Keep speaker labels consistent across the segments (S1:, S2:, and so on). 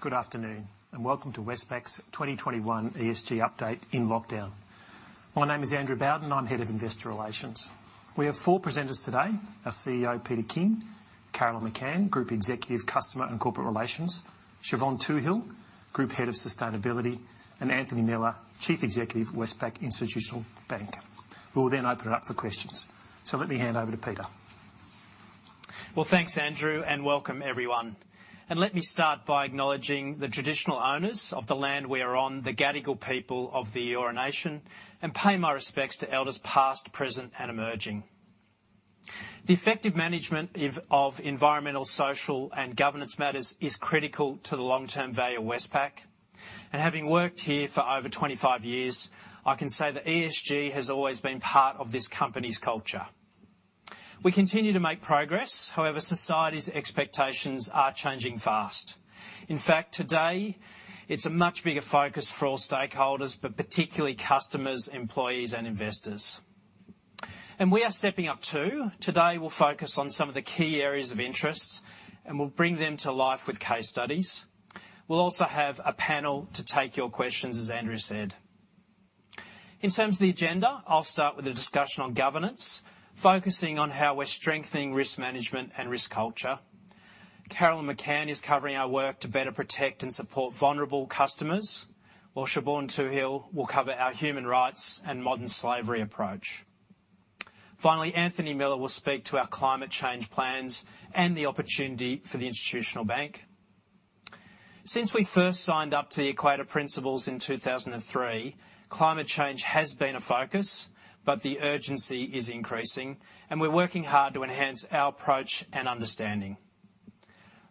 S1: Good afternoon, and welcome to Westpac's 2021 ESG update in lockdown. My name is Andrew Bowden. I'm Head of Investor Relations. We have four presenters today, our CEO, Peter King, Carolyn McCann, Group Executive, Customer and Corporate Relations, Siobhan Toohill, Group Head of Sustainability, and Anthony Miller, Chief Executive, Westpac Institutional Bank. We will then open it up for questions. Let me hand over to Peter.
S2: Well, thanks, Andrew, and welcome everyone. Let me start by acknowledging the traditional owners of the land we are on, the Gadigal people of the Eora Nation, and pay my respects to elders past, present, and emerging. The effective management of environmental, social, and governance matters is critical to the long-term value of Westpac. Having worked here for over 25 years, I can say that ESG has always been part of this company's culture. We continue to make progress. However, society's expectations are changing fast. In fact, today, it's a much bigger focus for all stakeholders, but particularly customers, employees, and investors. We are stepping up, too. Today, we'll focus on some of the key areas of interest, and we'll bring them to life with case studies. We'll also have a panel to take your questions, as Andrew said. In terms of the agenda, I'll start with a discussion on governance, focusing on how we're strengthening risk management and risk culture. Carolyn McCann is covering our work to better protect and support vulnerable customers, while Siobhan Toohill will cover our human rights and modern slavery approach. Finally, Anthony Miller will speak to our climate change plans and the opportunity for the Institutional Bank. Since we first signed up to the Equator Principles in 2003, climate change has been a focus, but the urgency is increasing, and we're working hard to enhance our approach and understanding.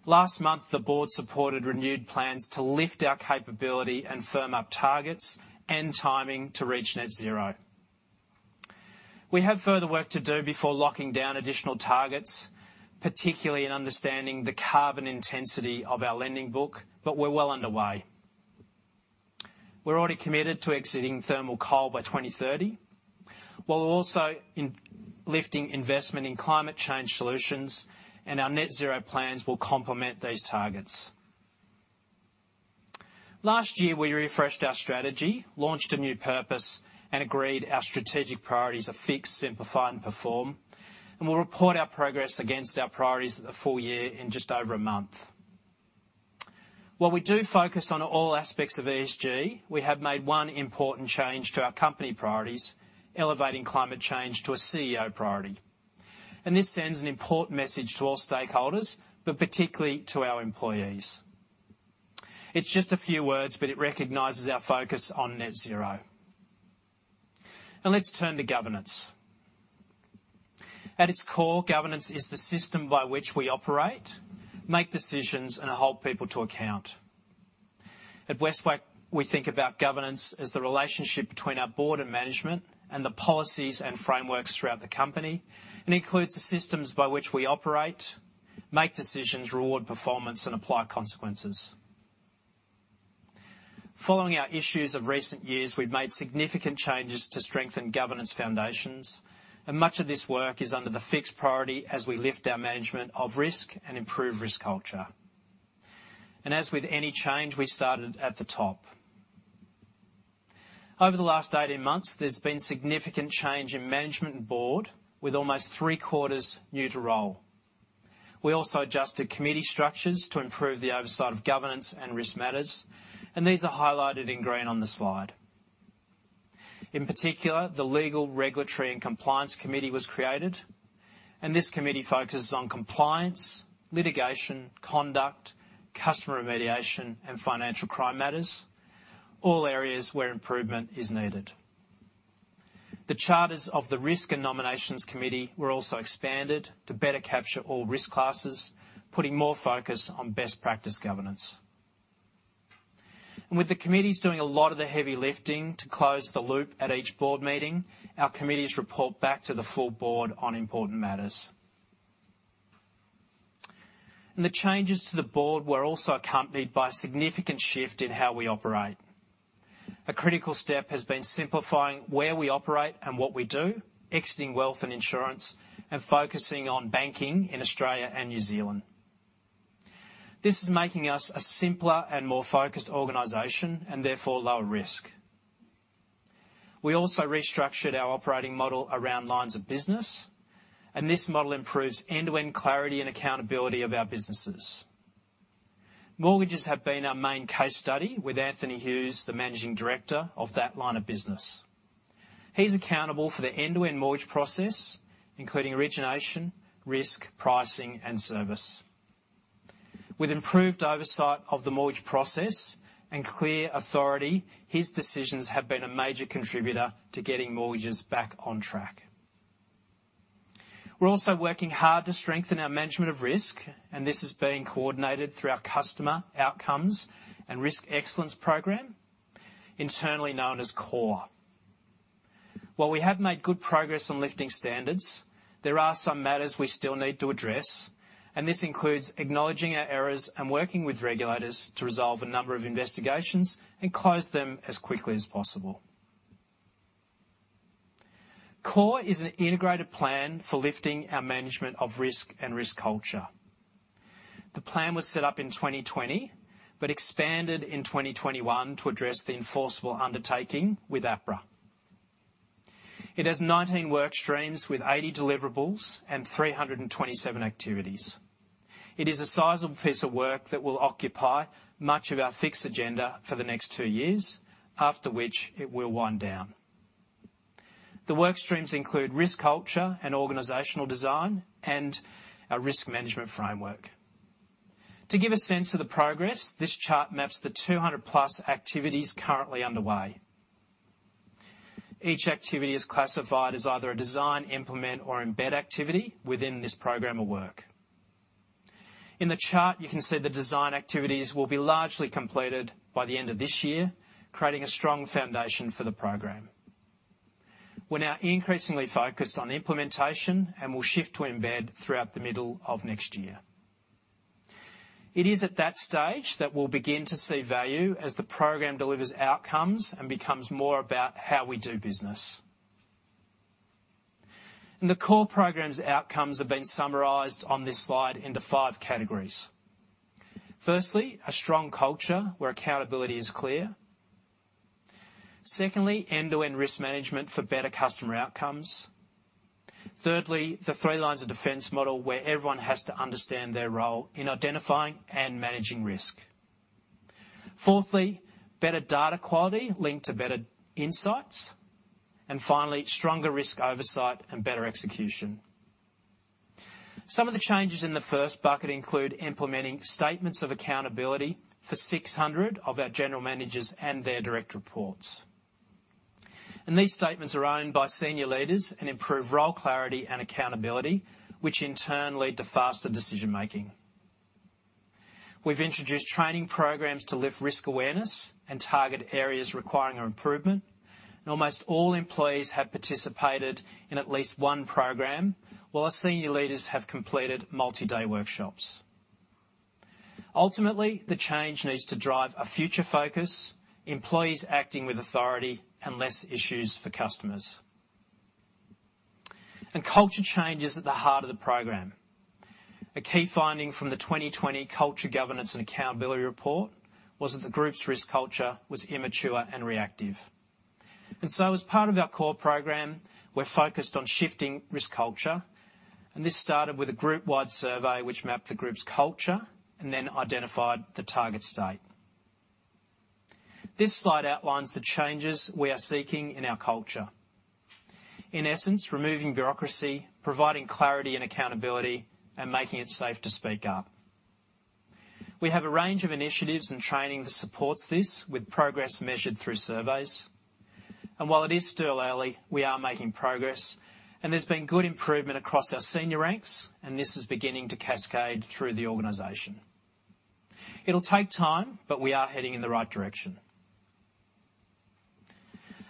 S2: Last month, the board supported renewed plans to lift our capability and firm up targets and timing to reach net zero. We have further work to do before locking down additional targets, particularly in understanding the carbon intensity of our lending book, but we're well underway. We're already committed to exiting thermal coal by 2030. We're also lifting investment in climate change solutions, and our net zero plans will complement these targets. Last year, we refreshed our strategy, launched a new purpose, and agreed our strategic priorities are fix, simplify, and perform. We'll report our progress against our priorities at the full year in just over a month. While we do focus on all aspects of ESG, we have made one important change to our company priorities, elevating climate change to a CEO priority. This sends an important message to all stakeholders, but particularly to our employees. It's just a few words, but it recognizes our focus on net zero. Let's turn to governance. At its core, governance is the system by which we operate, make decisions, and hold people to account. At Westpac, we think about governance as the relationship between our board and management and the policies and frameworks throughout the company, includes the systems by which we operate, make decisions, reward performance, and apply consequences. Following our issues of recent years, we've made significant changes to strengthen governance foundations, much of this work is under the fixed priority as we lift our management of risk and improve risk culture. As with any change, we started at the top. Over the last 18 months, there's been significant change in management and board, with almost three-quarters new to role. We also adjusted committee structures to improve the oversight of governance and risk matters, these are highlighted in green on the slide. In particular, the Legal, Regulatory, and Compliance Committee was created. This committee focuses on compliance, litigation, conduct, customer remediation, and financial crime matters, all areas where improvement is needed. The charters of the Risk and Nominations Committee were also expanded to better capture all risk classes, putting more focus on best practice governance. With the committees doing a lot of the heavy lifting to close the loop at each board meeting, our committees report back to the full board on important matters. The changes to the board were also accompanied by a significant shift in how we operate. A critical step has been simplifying where we operate and what we do, exiting wealth and insurance, and focusing on banking in Australia and New Zealand. This is making us a simpler and more focused organization, and therefore, lower risk. We also restructured our operating model around lines of business, and this model improves end-to-end clarity and accountability of our businesses. Mortgages have been our main case study with Anthony Hughes, the Managing Director of that line of business. He's accountable for the end-to-end mortgage process, including origination, risk, pricing, and service. With improved oversight of the mortgage process and clear authority, his decisions have been a major contributor to getting mortgages back on track. We're also working hard to strengthen our management of risk, and this is being coordinated through our Customer Outcomes and Risk Excellence program, internally known as CORE. While we have made good progress on lifting standards, there are some matters we still need to address, and this includes acknowledging our errors and working with regulators to resolve a number of investigations and close them as quickly as possible. CORE is an integrated plan for lifting our management of risk and risk culture. The plan was set up in 2020 but expanded in 2021 to address the enforceable undertaking with APRA. It has 19 work streams with 80 deliverables and 327 activities. It is a sizable piece of work that will occupy much of our fixed agenda for the next two years, after which it will wind down. The work streams include risk culture and organizational design and a risk management framework. To give a sense of the progress, this chart maps the 200+ activities currently underway. Each activity is classified as either a design, implement, or embed activity within this program of work. In the chart, you can see the design activities will be largely completed by the end of this year, creating a strong foundation for the program. We're now increasingly focused on implementation and will shift to embed throughout the middle of next year. It is at that stage that we'll begin to see value as the program delivers outcomes and becomes more about how we do business. The CORE programs outcomes have been summarized on this slide into five categories. Firstly, a strong culture where accountability is clear. Secondly, end-to-end risk management for better customer outcomes. Thirdly, the three lines of defense model where everyone has to understand their role in identifying and managing risk. Fourthly, better data quality linked to better insights. Finally, stronger risk oversight and better execution. Some of the changes in the first bucket include implementing statements of accountability for 600 of our general managers and their direct reports. These statements are owned by senior leaders and improve role clarity and accountability, which in turn lead to faster decision-making. We've introduced training programs to lift risk awareness and target areas requiring improvement. Almost all employees have participated in at least one program, while our senior leaders have completed multi-day workshops. Ultimately, the change needs to drive a future focus, employees acting with authority, and less issues for customers. Culture change is at the heart of the program. A key finding from the 2020 Culture, Governance and Accountability Report was that the group's risk culture was immature and reactive. As part of our CORE program, we're focused on shifting risk culture, and this started with a group-wide survey which mapped the group's culture and then identified the target state. This slide outlines the changes we are seeking in our culture. In essence, removing bureaucracy, providing clarity and accountability, and making it safe to speak up. We have a range of initiatives and training that supports this with progress measured through surveys. While it is still early, we are making progress, and there's been good improvement across our senior ranks, and this is beginning to cascade through the organization. It'll take time, but we are heading in the right direction.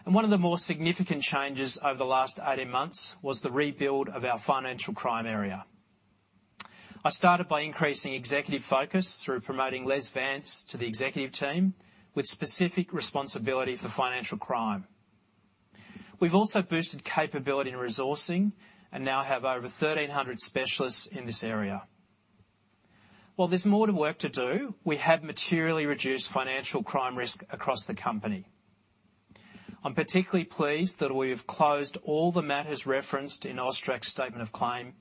S2: One of the more significant changes over the last 18 months was the rebuild of our financial crime area. I started by increasing executive focus through promoting Les Vance to the executive team with specific responsibility for financial crime. We've also boosted capability and resourcing and now have over 1,300 specialists in this area. While there's more work to do, we have materially reduced financial crime risk across the company. I'm particularly pleased that we have closed all the matters referenced in AUSTRAC's statement of claim,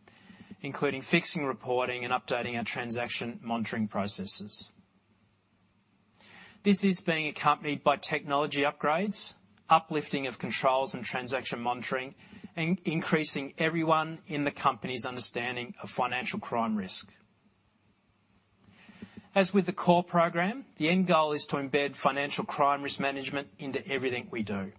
S2: including fixing reporting and updating our transaction monitoring processes. This is being accompanied by technology upgrades, uplifting of controls and transaction monitoring, and increasing everyone in the company's understanding of financial crime risk. As with the CORE program, the end goal is to embed financial crime risk management into everything we do.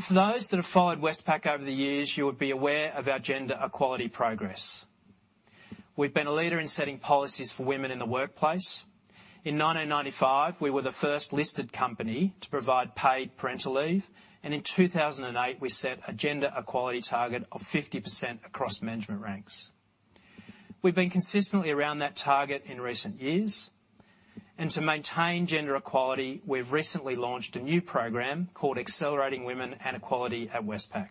S2: For those that have followed Westpac over the years, you would be aware of our gender equality progress. We've been a leader in setting policies for women in the workplace. In 1995, we were the first listed company to provide paid parental leave, and in 2008, we set a gender equality target of 50% across management ranks. We've been consistently around that target in recent years. To maintain gender equality, we've recently launched a new program called Accelerating Women and Equality at Westpac.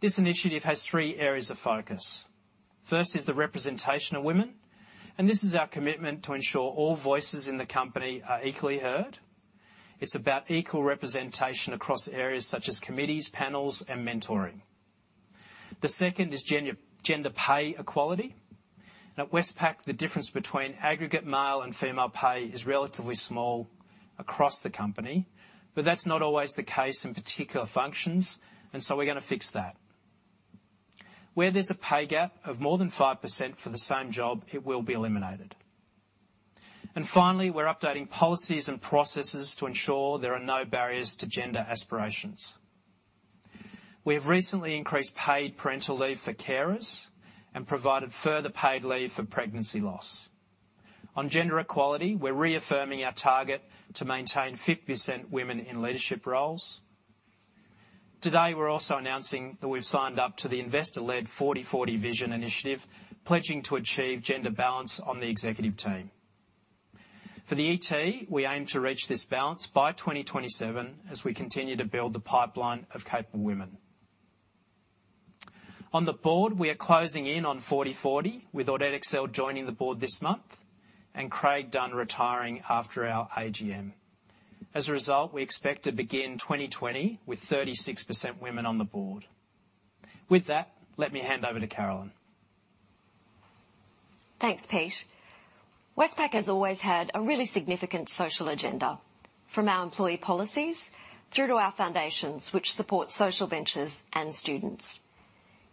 S2: This initiative has three areas of focus. First is the representation of women, and this is our commitment to ensure all voices in the company are equally heard. It's about equal representation across areas such as committees, panels, and mentoring. The second is gender pay equality. At Westpac, the difference between aggregate male and female pay is relatively small across the company. That's not always the case in particular functions, and so we're going to fix that. Where there's a pay gap of more than 5% for the same job, it will be eliminated. Finally, we're updating policies and processes to ensure there are no barriers to gender aspirations. We have recently increased paid parental leave for carers and provided further paid leave for pregnancy loss. On gender equality, we're reaffirming our target to maintain 50% women in leadership roles. Today, we're also announcing that we've signed up to the investor-led 40:40 Vision Initiative, pledging to achieve gender balance on the executive team. For the ET, we aim to reach this balance by 2027 as we continue to build the pipeline of capable women. On the board, we are closing in on 40:40, with Audette Exel joining the board this month, and Craig Dunn retiring after our AGM. As a result, we expect to begin 2020 with 36% women on the board. With that, let me hand over to Carolyn.
S3: Thanks, Pete. Westpac has always had a really significant social agenda, from our employee policies through to our foundations, which support social ventures and students.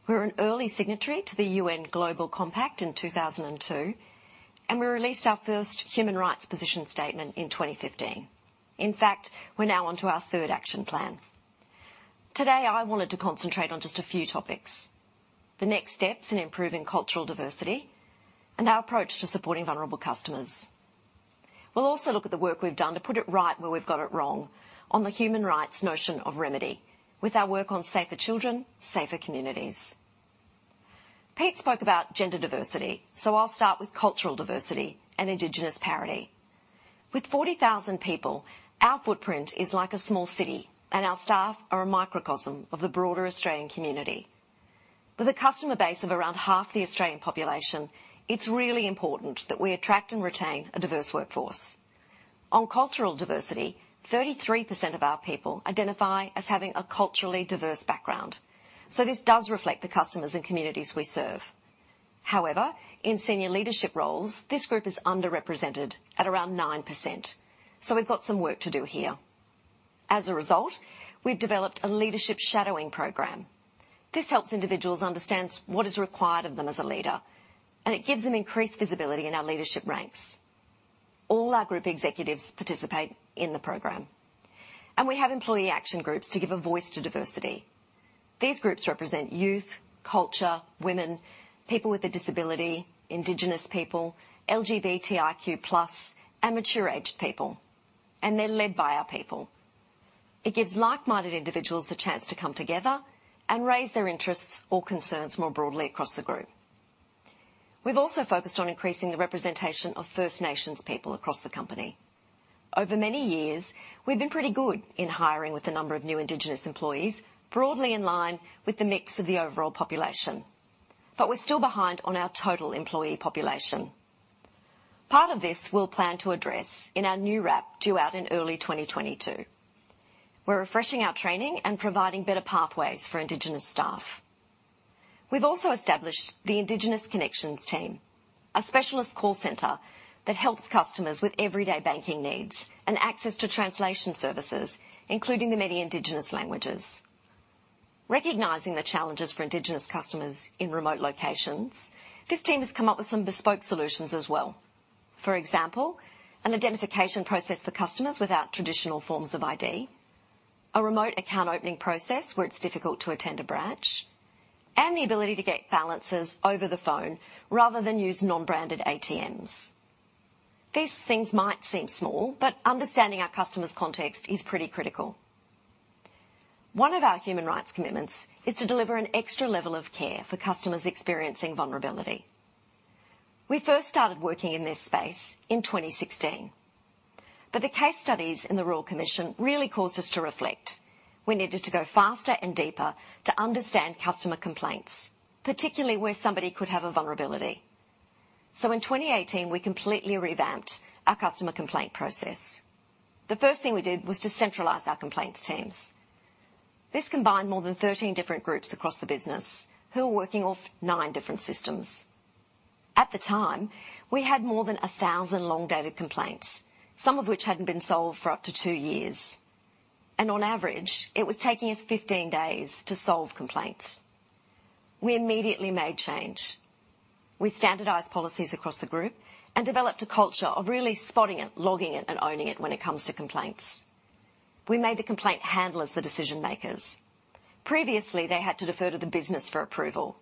S3: We were an early signatory to the UN Global Compact in 2002, and we released our first human rights position statement in 2015. In fact, we're now onto our third action plan. Today, I wanted to concentrate on just a few topics, the next steps in improving cultural diversity and our approach to supporting vulnerable customers. We'll also look at the work we've done to put it right where we've got it wrong on the human rights notion of remedy with our work on Safer Children, Safer Communities. Pete spoke about gender diversity, so I'll start with cultural diversity and Indigenous parity. With 40,000 people, our footprint is like a small city, and our staff are a microcosm of the broader Australian community. With a customer base of around half the Australian population, it's really important that we attract and retain a diverse workforce. On cultural diversity, 33% of our people identify as having a culturally diverse background, so this does reflect the customers and communities we serve. However, in senior leadership roles, this group is underrepresented at around 9%, so we've got some work to do here. As a result, we've developed a leadership shadowing program. This helps individuals understand what is required of them as a leader, and it gives them increased visibility in our leadership ranks. All our group executives participate in the program. We have employee action groups to give a voice to diversity. These groups represent youth, culture, women, people with a disability, Indigenous people, LGBTIQ+, and mature-aged people, and they're led by our people. It gives like-minded individuals the chance to come together and raise their interests or concerns more broadly across the group. We've also focused on increasing the representation of First Nations people across the company. Over many years, we've been pretty good in hiring, with the number of new Indigenous employees broadly in line with the mix of the overall population. We're still behind on our total employee population. Part of this we'll plan to address in our new RAP due out in early 2022. We're refreshing our training and providing better pathways for Indigenous staff. We've also established the Indigenous Connections team, a specialist call center that helps customers with everyday banking needs and access to translation services, including the many Indigenous languages. Recognizing the challenges for Indigenous customers in remote locations, this team has come up with some bespoke solutions as well. For example, an identification process for customers without traditional forms of ID, a remote account opening process where it is difficult to attend a branch, and the ability to get balances over the phone rather than use non-branded ATMs. These things might seem small. Understanding our customer's context is pretty critical. One of our human rights commitments is to deliver an extra level of care for customers experiencing vulnerability. We first started working in this space in 2016. The case studies in the Royal Commission really caused us to reflect. We needed to go faster and deeper to understand customer complaints, particularly where somebody could have a vulnerability. In 2018, we completely revamped our customer complaint process. The first thing we did was to centralize our complaints teams. This combined more than 13 different groups across the business who were working off nine different systems. At the time, we had more than 1,000 long-dated complaints, some of which hadn't been solved for up to two years. On average, it was taking us 15 days to solve complaints. We immediately made change. We standardized policies across the group and developed a culture of really Spot It, Log It, Own It when it comes to complaints. We made the complaint handlers the decision-makers. Previously, they had to defer to the business for approval.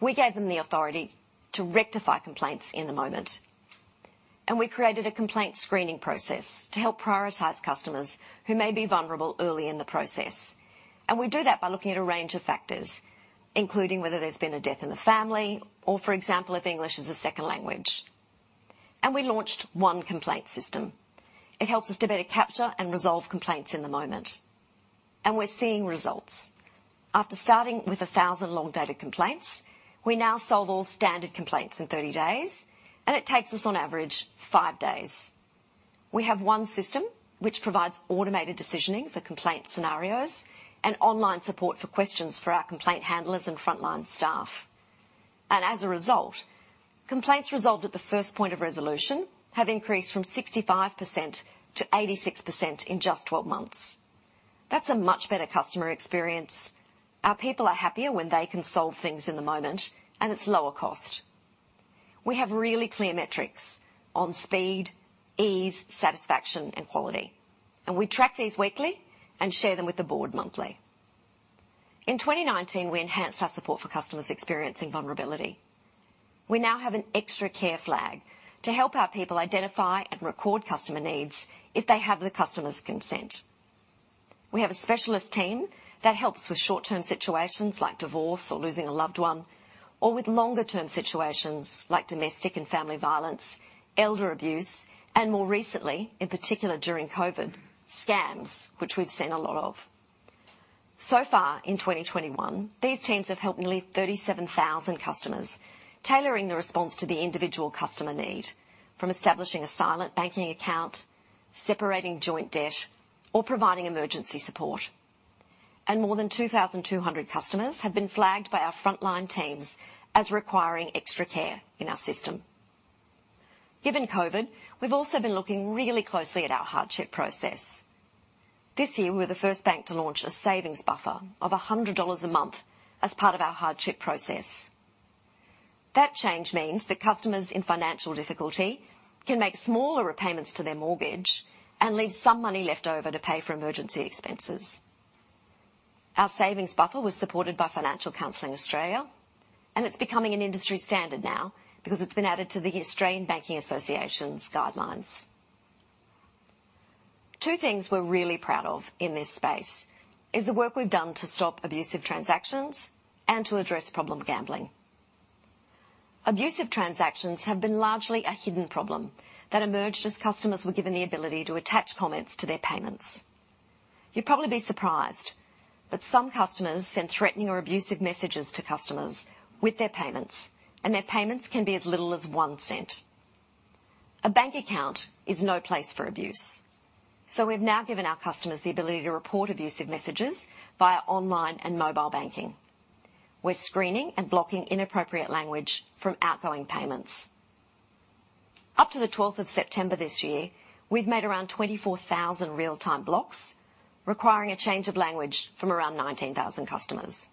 S3: We gave them the authority to rectify complaints in the moment, and we created a complaint screening process to help prioritize customers who may be vulnerable early in the process. We do that by looking at a range of factors, including whether there's been a death in the family or, for example, if English is a second language. We launched 1 complaint system. It helps us to better capture and resolve complaints in the moment. We're seeing results. After starting with 1,000 long-dated complaints, we now solve all standard complaints in 30 days, and it takes us on average five days. We have one system which provides automated decisioning for complaint scenarios and online support for questions for our complaint handlers and frontline staff. As a result, complaints resolved at the first point of resolution have increased from 65%-86% in just 12 months. That's a much better customer experience. Our people are happier when they can solve things in the moment, and it's lower cost. We have really clear metrics on speed, ease, satisfaction, and quality, and we track these weekly and share them with the board monthly. In 2019, we enhanced our support for customers experiencing vulnerability. We now have an extra care flag to help our people identify and record customer needs if they have the customer's consent. We have a specialist team that helps with short-term situations like divorce or losing a loved one, or with longer-term situations like domestic and family violence, elder abuse, and more recently, in particular during COVID, scams, which we've seen a lot of. In 2021, these teams have helped nearly 37,000 customers, tailoring the response to the individual customer need, from establishing a silent banking account, separating joint debt, or providing emergency support. More than 2,200 customers have been flagged by our frontline teams as requiring extra care in our system. Given COVID, we've also been looking really closely at our hardship process. This year, we're the first bank to launch a savings buffer of 100 dollars a month as part of our hardship process. That change means that customers in financial difficulty can make smaller repayments to their mortgage and leave some money left over to pay for emergency expenses. Our savings buffer was supported by Financial Counselling Australia, and it is becoming an industry standard now because it has been added to the Australian Banking Association's guidelines. Two things we are really proud of in this space is the work we have done to stop abusive transactions and to address problem gambling. Abusive transactions have been largely a hidden problem that emerged as customers were given the ability to attach comments to their payments. You would probably be surprised that some customers send threatening or abusive messages to customers with their payments, and their payments can be as little as 0.01. A bank account is no place for abuse. We have now given our customers the ability to report abusive messages via online and mobile banking. We're screening and blocking inappropriate language from outgoing payments. Up to the 12th of September this year, we've made around 24,000 real-time blocks requiring a change of language from around 19,000 customers.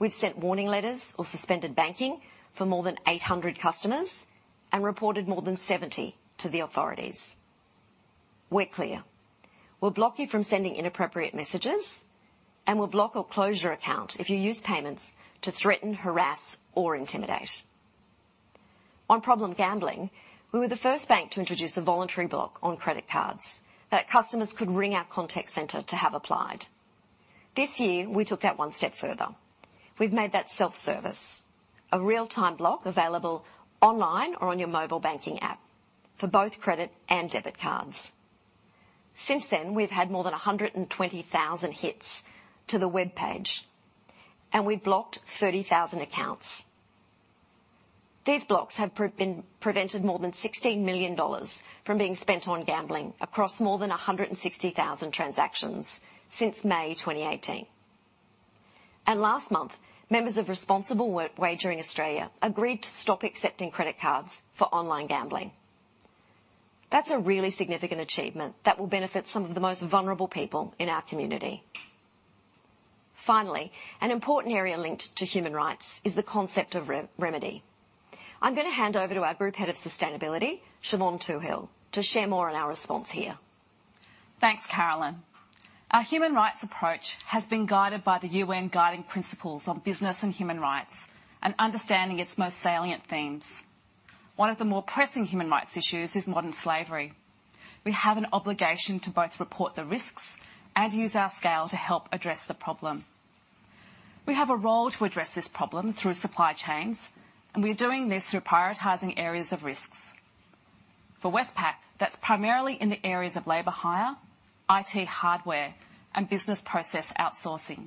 S3: We've sent warning letters or suspended banking for more than 800 customers and reported more than 70 to the authorities. We're clear. We'll block you from sending inappropriate messages, and we'll block or close your account if you use payments to threaten, harass or intimidate. On problem gambling, we were the first bank to introduce a voluntary block on credit cards that customers could ring our contact center to have applied. This year, we took that one step further. We've made that self-service, a real-time block available online or on your mobile banking app for both credit and debit cards. Since then, we've had more than 120,000 hits to the webpage, and we blocked 30,000 accounts. These blocks have prevented more than 16 million dollars from being spent on gambling across more than 160,000 transactions since May 2018. Last month, members of Responsible Wagering Australia agreed to stop accepting credit cards for online gambling. That's a really significant achievement that will benefit some of the most vulnerable people in our community. Finally, an important area linked to human rights is the concept of remedy. I'm going to hand over to our Group Head of Sustainability, Siobhan Toohill, to share more on our response here.
S4: Thanks, Carolyn. Our human rights approach has been guided by the UN Guiding Principles on Business and Human Rights and understanding its most salient themes. One of the more pressing human rights issues is modern slavery. We have an obligation to both report the risks and use our scale to help address the problem. We have a role to address this problem through supply chains. We are doing this through prioritizing areas of risks. For Westpac, that's primarily in the areas of labor hire, IT hardware, and business process outsourcing.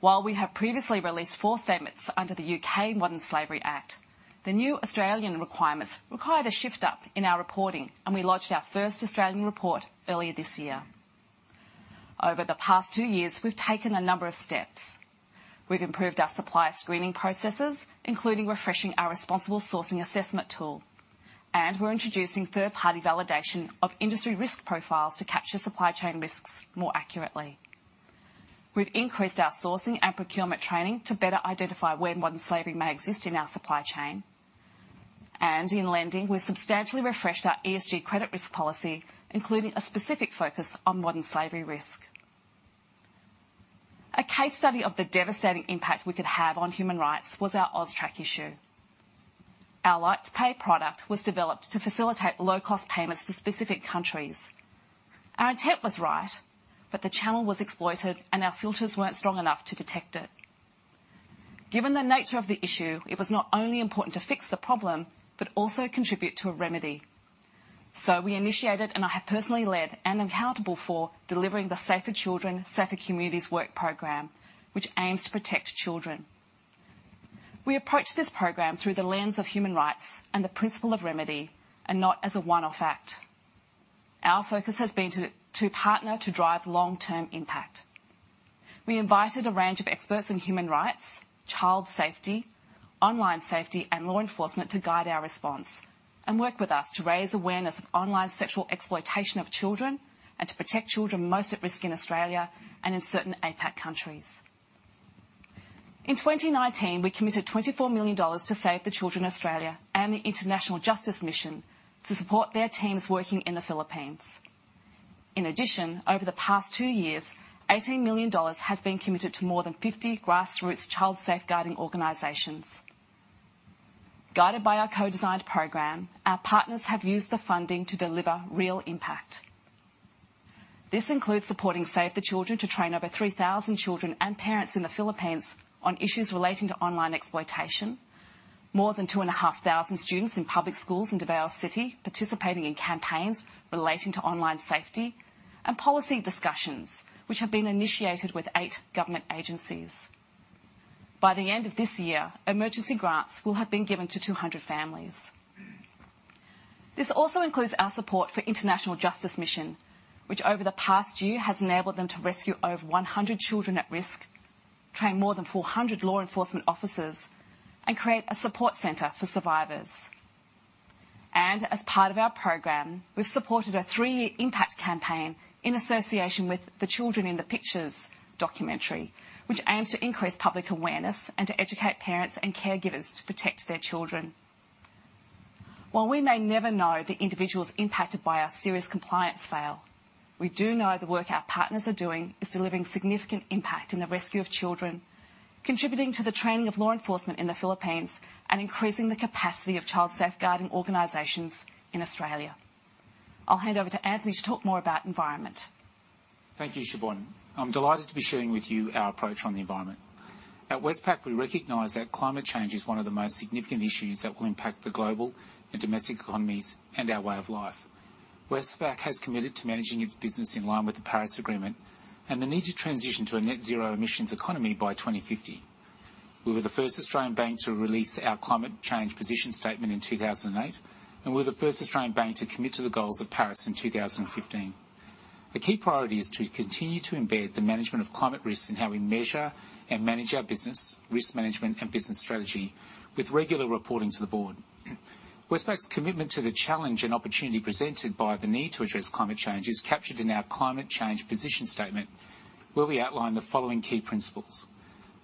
S4: While we have previously released four statements under the UK Modern Slavery Act, the new Australian requirements required a shift up in our reporting. We launched our first Australian report earlier this year. Over the past two years, we've taken a number of steps. We've improved our supplier screening processes, including refreshing our responsible sourcing assessment tool, and we're introducing third-party validation of industry risk profiles to capture supply chain risks more accurately. We've increased our sourcing and procurement training to better identify where modern slavery may exist in our supply chain. In lending, we substantially refreshed our ESG credit risk policy, including a specific focus on modern slavery risk. A case study of the devastating impact we could have on human rights was our AUSTRAC issue. Our LitePay product was developed to facilitate low-cost payments to specific countries. Our intent was right, but the channel was exploited, and our filters weren't strong enough to detect it. Given the nature of the issue, it was not only important to fix the problem but also contribute to a remedy. We initiated, and I have personally led and am accountable for, delivering the Safer Children, Safer Communities work program, which aims to protect children. We approach this program through the lens of human rights and the principle of remedy and not as a one-off act. Our focus has been to partner to drive long-term impact. We invited a range of experts in human rights, child safety, online safety, and law enforcement to guide our response and work with us to raise awareness of online sexual exploitation of children and to protect children most at risk in Australia and in certain APAC countries. In 2019, we committed 24 million dollars to Save the Children Australia and the International Justice Mission to support their teams working in the Philippines. Over the past two years, 18 million dollars has been committed to more than 50 grassroots child safeguarding organizations. Guided by our co-designed program, our partners have used the funding to deliver real impact. This includes supporting Save the Children to train over 3,000 children and parents in the Philippines on issues relating to online exploitation. More than 2,500 students in public schools in Davao City participating in campaigns relating to online safety, and policy discussions, which have been initiated with eight government agencies. By the end of this year, emergency grants will have been given to 200 families. This also includes our support for International Justice Mission, which over the past year has enabled them to rescue over 100 children at risk, train more than 400 law enforcement officers, and create a support center for survivors. As part of our program, we've supported a three-year impact campaign in association with The Children in the Pictures documentary, which aims to increase public awareness and to educate parents and caregivers to protect their children. While we may never know the individuals impacted by our serious compliance fail, we do know the work our partners are doing is delivering significant impact in the rescue of children, contributing to the training of law enforcement in the Philippines, and increasing the capacity of child safeguarding organizations in Australia. I'll hand over to Anthony to talk more about environment.
S5: Thank you, Siobhan. I'm delighted to be sharing with you our approach on the environment. At Westpac, we recognize that climate change is one of the most significant issues that will impact the global and domestic economies and our way of life. Westpac has committed to managing its business in line with the Paris Agreement and the need to transition to a net zero emissions economy by 2050. We were the first Australian bank to release our climate change position statement in 2008. We were the first Australian bank to commit to the goals of Paris in 2015. A key priority is to continue to embed the management of climate risks in how we measure and manage our business, risk management, and business strategy, with regular reporting to the board. Westpac's commitment to the challenge and opportunity presented by the need to address climate change is captured in our climate change position statement, where we outline the following key principles.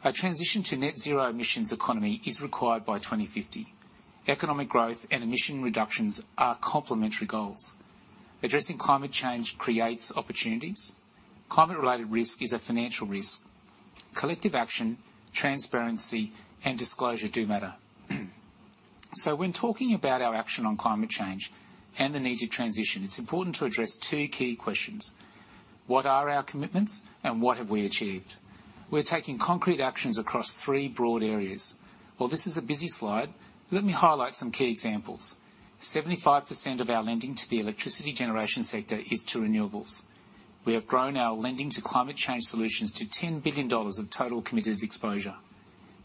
S5: A transition to net zero emissions economy is required by 2050. Economic growth and emission reductions are complementary goals. Addressing climate change creates opportunities. Climate-related risk is a financial risk. Collective action, transparency, and disclosure do matter. When talking about our action on climate change and the need to transition, it's important to address two key questions. What are our commitments, and what have we achieved? We're taking concrete actions across three broad areas. While this is a busy slide, let me highlight some key examples. 75% of our lending to the electricity generation sector is to renewables. We have grown our lending to climate change solutions to 10 billion dollars of total committed exposure.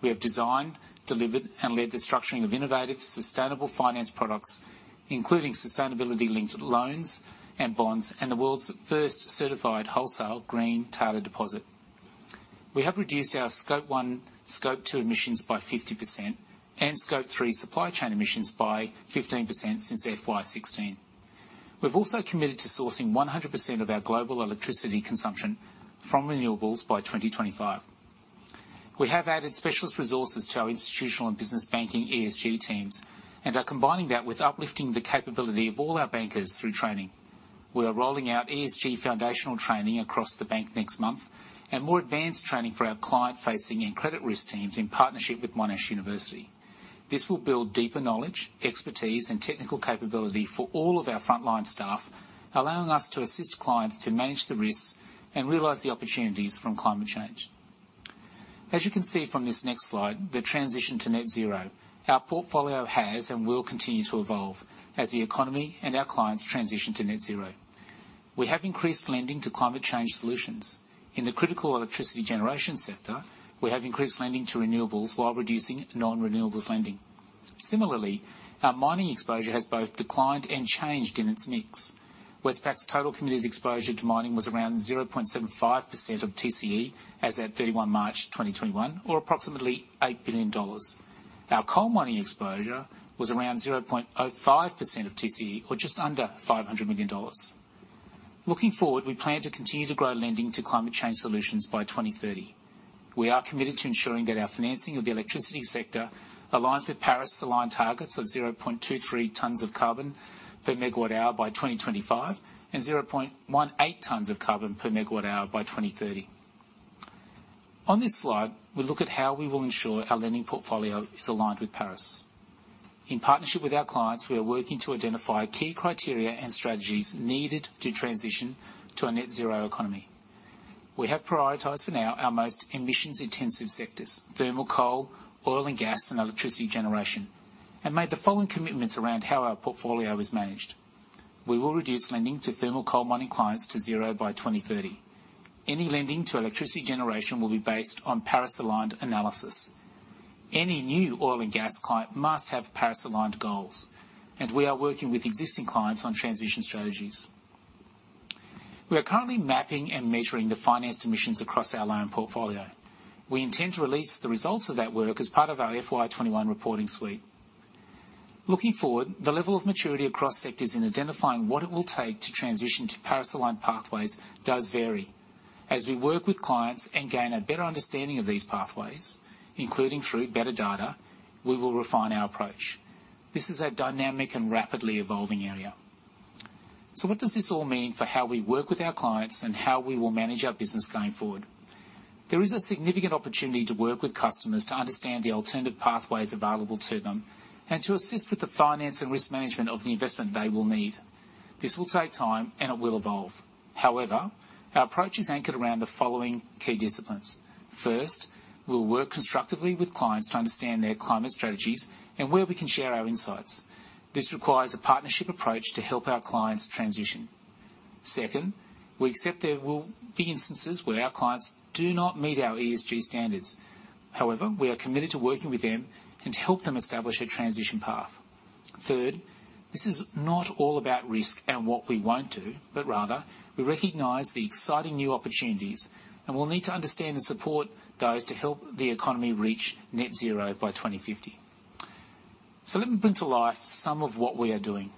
S5: We have designed, delivered, and led the structuring of innovative, sustainable finance products, including sustainability-linked loans and bonds, and the world's first certified wholesale green tailored deposit. We have reduced our Scope 1, Scope 2 emissions by 50% and Scope 3 supply chain emissions by 15% since FY 2016. We've also committed to sourcing 100% of our global electricity consumption from renewables by 2025. We have added specialist resources to our institutional and business banking ESG teams and are combining that with uplifting the capability of all our bankers through training. We are rolling out ESG foundational training across the bank next month and more advanced training for our client-facing and credit risk teams in partnership with Monash University. This will build deeper knowledge, expertise, and technical capability for all of our frontline staff, allowing us to assist clients to manage the risks and realize the opportunities from climate change. As you can see from this next slide, the transition to net zero, our portfolio has and will continue to evolve as the economy and our clients transition to net zero. We have increased lending to climate change solutions. In the critical electricity generation sector, we have increased lending to renewables while reducing non-renewables lending. Similarly, our mining exposure has both declined and changed in its mix. Westpac's total committed exposure to mining was around 0.75% of TCE as at 31 March 2021, or approximately 8 billion dollars. Our coal mining exposure was around 0.05% of TCE, or just under 500 million dollars. Looking forward, we plan to continue to grow lending to climate change solutions by 2030. We are committed to ensuring that our financing of the electricity sector aligns with Paris-aligned targets of 0.23 tons of carbon per megawatt hour by 2025 and 0.18 tons of carbon per megawatt hour by 2030. On this slide, we look at how we will ensure our lending portfolio is aligned with Paris. In partnership with our clients, we are working to identify key criteria and strategies needed to transition to a net zero economy. We have prioritized for now our most emissions-intensive sectors, thermal coal, oil and gas, and electricity generation, and made the following commitments around how our portfolio is managed. We will reduce lending to thermal coal mining clients to zero by 2030. Any lending to electricity generation will be based on Paris-aligned analysis. Any new oil and gas client must have Paris-aligned goals, and we are working with existing clients on transition strategies. We are currently mapping and measuring the financed emissions across our loan portfolio. We intend to release the results of that work as part of our FY 2021 reporting suite. Looking forward, the level of maturity across sectors in identifying what it will take to transition to Paris-aligned pathways does vary. As we work with clients and gain a better understanding of these pathways, including through better data, we will refine our approach. This is a dynamic and rapidly evolving area. What does this all mean for how we work with our clients and how we will manage our business going forward? There is a significant opportunity to work with customers to understand the alternative pathways available to them, and to assist with the finance and risk management of the investment they will need. This will take time, and it will evolve. Our approach is anchored around the following key disciplines. First, we'll work constructively with clients to understand their climate strategies and where we can share our insights. This requires a partnership approach to help our clients transition. Second, we accept there will be instances where our clients do not meet our ESG standards. We are committed to working with them and help them establish a transition path. Third, this is not all about risk and what we won't do, but rather, we recognize the exciting new opportunities, and we'll need to understand and support those to help the economy reach net zero by 2050. Let me bring to life some of what we are doing.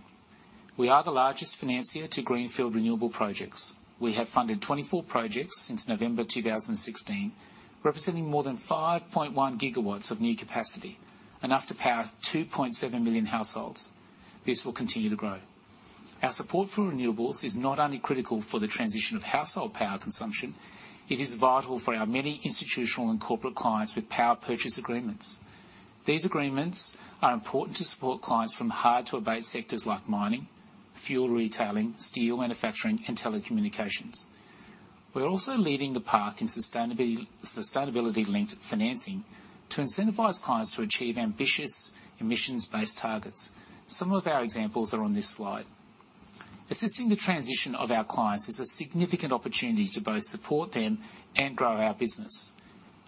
S5: We are the largest financier to greenfield renewable projects. We have funded 24 projects since November 2016, representing more than 5.1 GW of new capacity, enough to power 2.7 million households. This will continue to grow. Our support for renewables is not only critical for the transition of household power consumption, it is vital for our many institutional and corporate clients with power purchase agreements. These agreements are important to support clients from hard-to-abate sectors like mining, fuel retailing, steel manufacturing, and telecommunications. We're also leading the path in sustainability-linked financing to incentivize clients to achieve ambitious emissions-based targets. Some of our examples are on this slide. Assisting the transition of our clients is a significant opportunity to both support them and grow our business.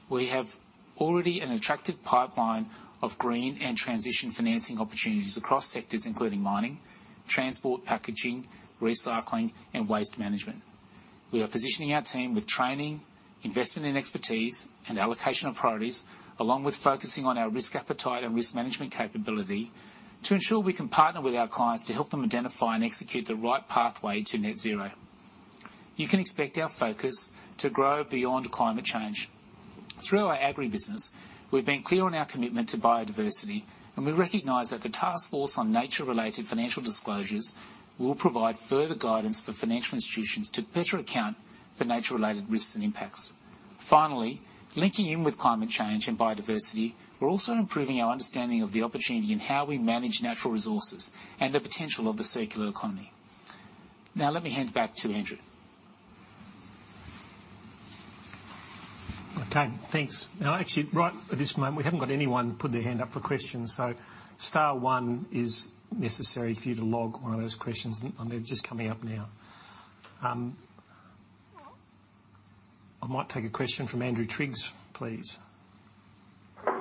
S5: We have already an attractive pipeline of green and transition financing opportunities across sectors including mining, transport, packaging, recycling, and waste management. We are positioning our team with training, investment in expertise, and allocation of priorities, along with focusing on our risk appetite and risk management capability to ensure we can partner with our clients to help them identify and execute the right pathway to net zero. You can expect our focus to grow beyond climate change. Through our agribusiness, we've been clear on our commitment to biodiversity, and we recognize that the task force on nature-related financial disclosures will provide further guidance for financial institutions to better account for nature-related risks and impacts. Finally, linking in with climate change and biodiversity, we're also improving our understanding of the opportunity in how we manage natural resources and the potential of the circular economy. Now, let me hand it back to Andrew.
S1: Okay, thanks. Actually, right at this moment, we haven't got anyone put their hand up for questions, so star one is necessary for you to log one of those questions, and they're just coming up now. I might take a question from Andrew Triggs, please.
S6: Thanks,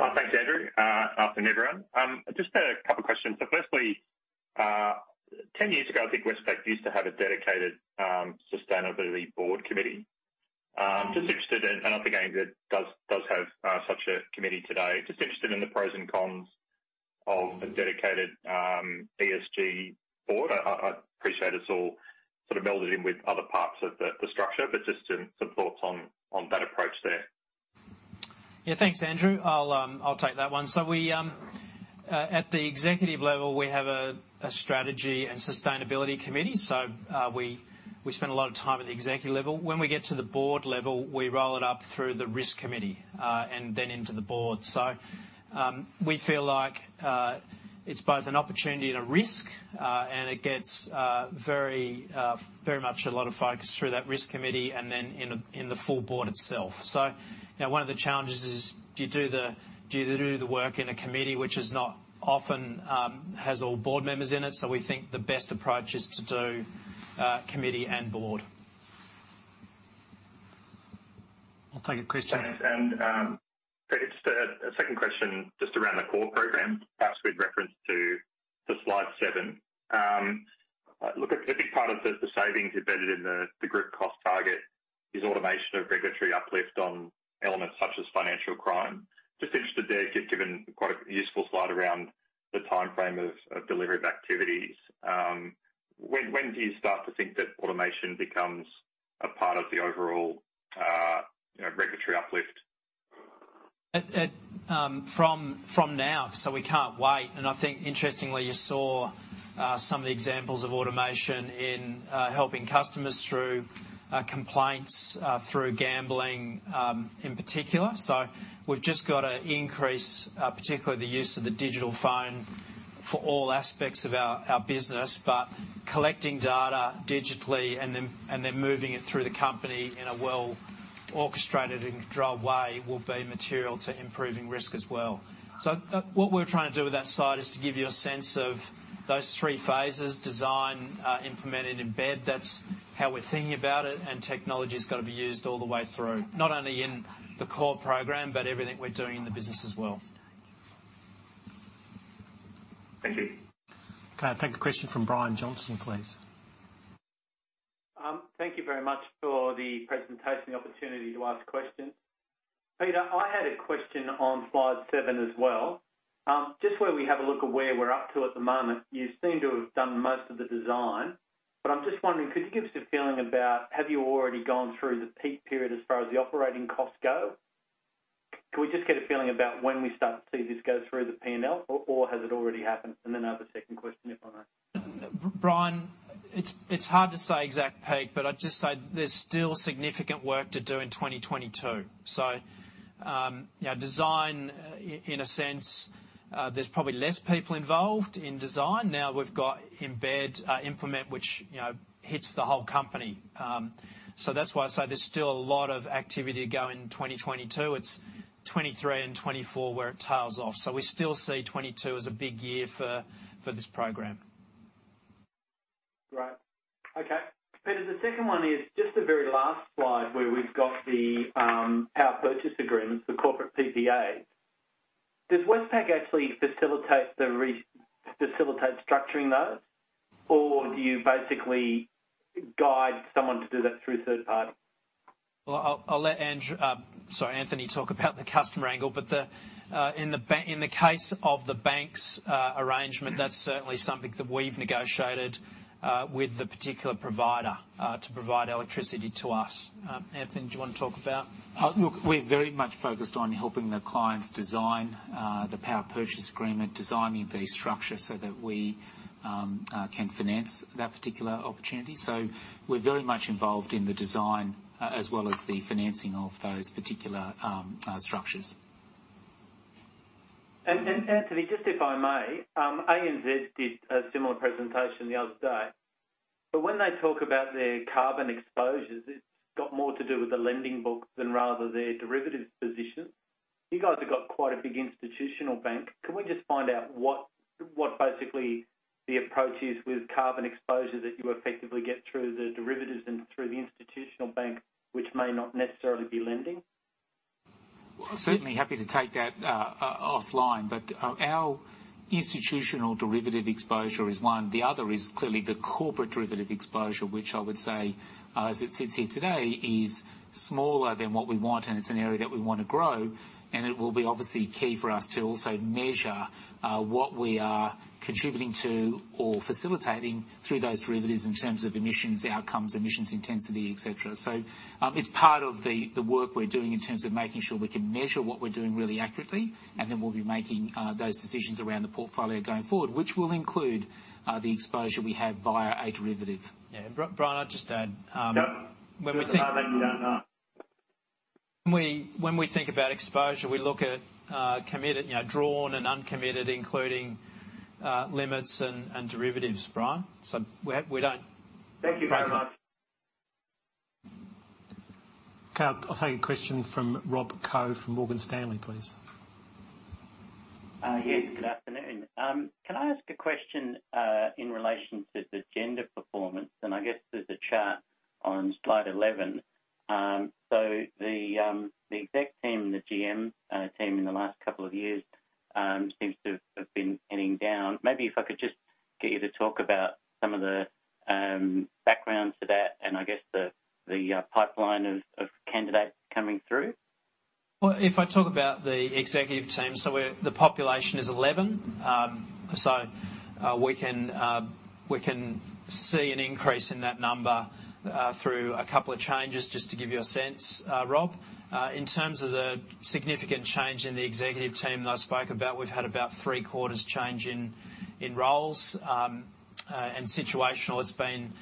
S6: Andrew. Afternoon, everyone. Just a couple questions. Firstly, 10 years ago, I think Westpac used to have a dedicated sustainability board committee. Just interested in, I don't think Andrew does have such a committee today. Just interested in the pros and cons of a dedicated ESG board. I appreciate it's all sort of melded in with other parts of the structure, but just some thoughts on that approach there.
S2: Yeah, thanks, Andrew. I will take that one. At the executive level, we have a Strategy and Sustainability Committee. We spend a lot of time at the executive level. When we get to the Board level, we roll it up through the Risk Committee and then into the Board. We feel like it's both an opportunity and a risk, and it gets very much a lot of focus through that Risk Committee and then in the full Board itself. One of the challenges is do you do the work in a committee which is not often has all Board members in it. We think the best approach is to do Committee and Board.
S1: I'll take a question.
S6: A second question just around the CORE program, perhaps with reference to slide seven. A big part of the savings embedded in the group cost target is automation of regulatory uplift on elements such as financial crime. Just interested there, you've given quite a useful slide around the timeframe of delivery of activities. When do you start to think that automation becomes a part of the overall regulatory uplift?
S2: From now. We can't wait. I think interestingly, you saw some of the examples of automation in helping customers through complaints, through gambling, in particular. We've just got to increase particularly the use of the digital phone for all aspects of our business. Collecting data digitally and then moving it through the company in a well-orchestrated and controlled way will be material to improving risk as well. What we're trying to do with that slide is to give you a sense of those three phases, design, implement, and embed. That's how we're thinking about it, and technology's got to be used all the way through, not only in the CORE program, but everything we're doing in the business as well.
S6: Thank you.
S1: Okay, take a question from Brian Johnson, please.
S7: Thank you very much for the presentation, the opportunity to ask questions. Peter, I had a question on slide seven as well. Just where we have a look at where we're up to at the moment, you seem to have done most of the design, but I'm just wondering, could you give us a feeling about have you already gone through the peak period as far as the operating costs go? Can we just get a feeling about when we start to see this go through the P&L, or has it already happened? I have a second question if I may.
S2: Brian, it's hard to say exact peak, but I'd just say there's still significant work to do in 2022. Design, in a sense, there's probably less people involved in design. Now we've got embed implement, which hits the whole company. That's why I say there's still a lot of activity to go in 2022. It's 2023 and 2024 where it tails off. We still see 2022 as a big year for this program.
S7: Great. Okay. Peter, the second one is just the very last slide where we've got the power purchase agreements, the corporate PPA. Does Westpac actually facilitate structuring those, or do you basically guide someone to do that through a third party?
S2: Well, I'll let Andrew, sorry, Anthony talk about the customer angle, but in the case of the bank's arrangement, that's certainly something that we've negotiated with the particular provider to provide electricity to us. Anthony, do you want to talk about?
S5: Look, we're very much focused on helping the clients design the power purchase agreement, designing the structure so that we can finance that particular opportunity. We're very much involved in the design as well as the financing of those particular structures.
S7: Anthony, just if I may, ANZ did a similar presentation the other day, but when they talk about their carbon exposures, it's got more to do with the lending book than rather their derivatives position. You guys have got quite a big Institutional Bank. Can we just find out what basically the approach is with carbon exposure that you effectively get through the derivatives and through the Institutional Bank, which may not necessarily be lending?
S5: Certainly happy to take that offline. Our institutional derivative exposure is one. The other is clearly the corporate derivative exposure, which I would say, as it sits here today, is smaller than what we want, and it's an area that we want to grow, and it will be obviously key for us to also measure what we are contributing to or facilitating through those derivatives in terms of emissions outcomes, emissions intensity, et cetera. It's part of the work we're doing in terms of making sure we can measure what we're doing really accurately, and then we'll be making those decisions around the portfolio going forward, which will include the exposure we have via a derivative.
S2: Yeah. Brian.
S7: Yep. Just advising you don't know.
S2: When we think about exposure, we look at drawn and uncommitted, including limits and derivatives, Brian.
S7: Thank you very much.
S2: Okay.
S1: I'll take a question from Robert Coe from Morgan Stanley, please.
S8: Yes, good afternoon. Can I ask a question in relation to the gender performance? I guess there's a chart on slide 11. The exec team and the GM team in the last couple of years seems to have been heading down. Maybe if I could just get you to talk about some of the background to that and I guess the pipeline of candidates coming through.
S2: If I talk about the executive team, the population is 11. We can see an increase in that number through a couple of changes, just to give you a sense, Rob. In terms of the significant change in the executive team that I spoke about, we've had about three quarters change in roles, and situational, it's been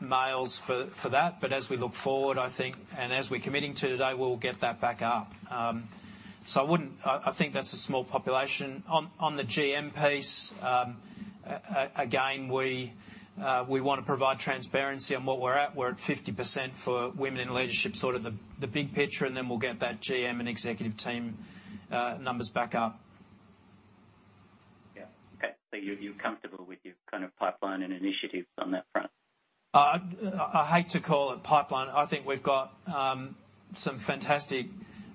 S2: males for that. As we look forward, I think, and as we're committing to today, we'll get that back up. I think that's a small population. On the GM piece, again, we want to provide transparency on what we're at. We're at 50% for women in leadership, sort of the big picture, we'll get that GM and executive team numbers back up.
S8: Yeah. Okay. You're comfortable with your kind of pipeline and initiatives on that front?
S2: I hate to call it pipeline. I think we've got some fantastic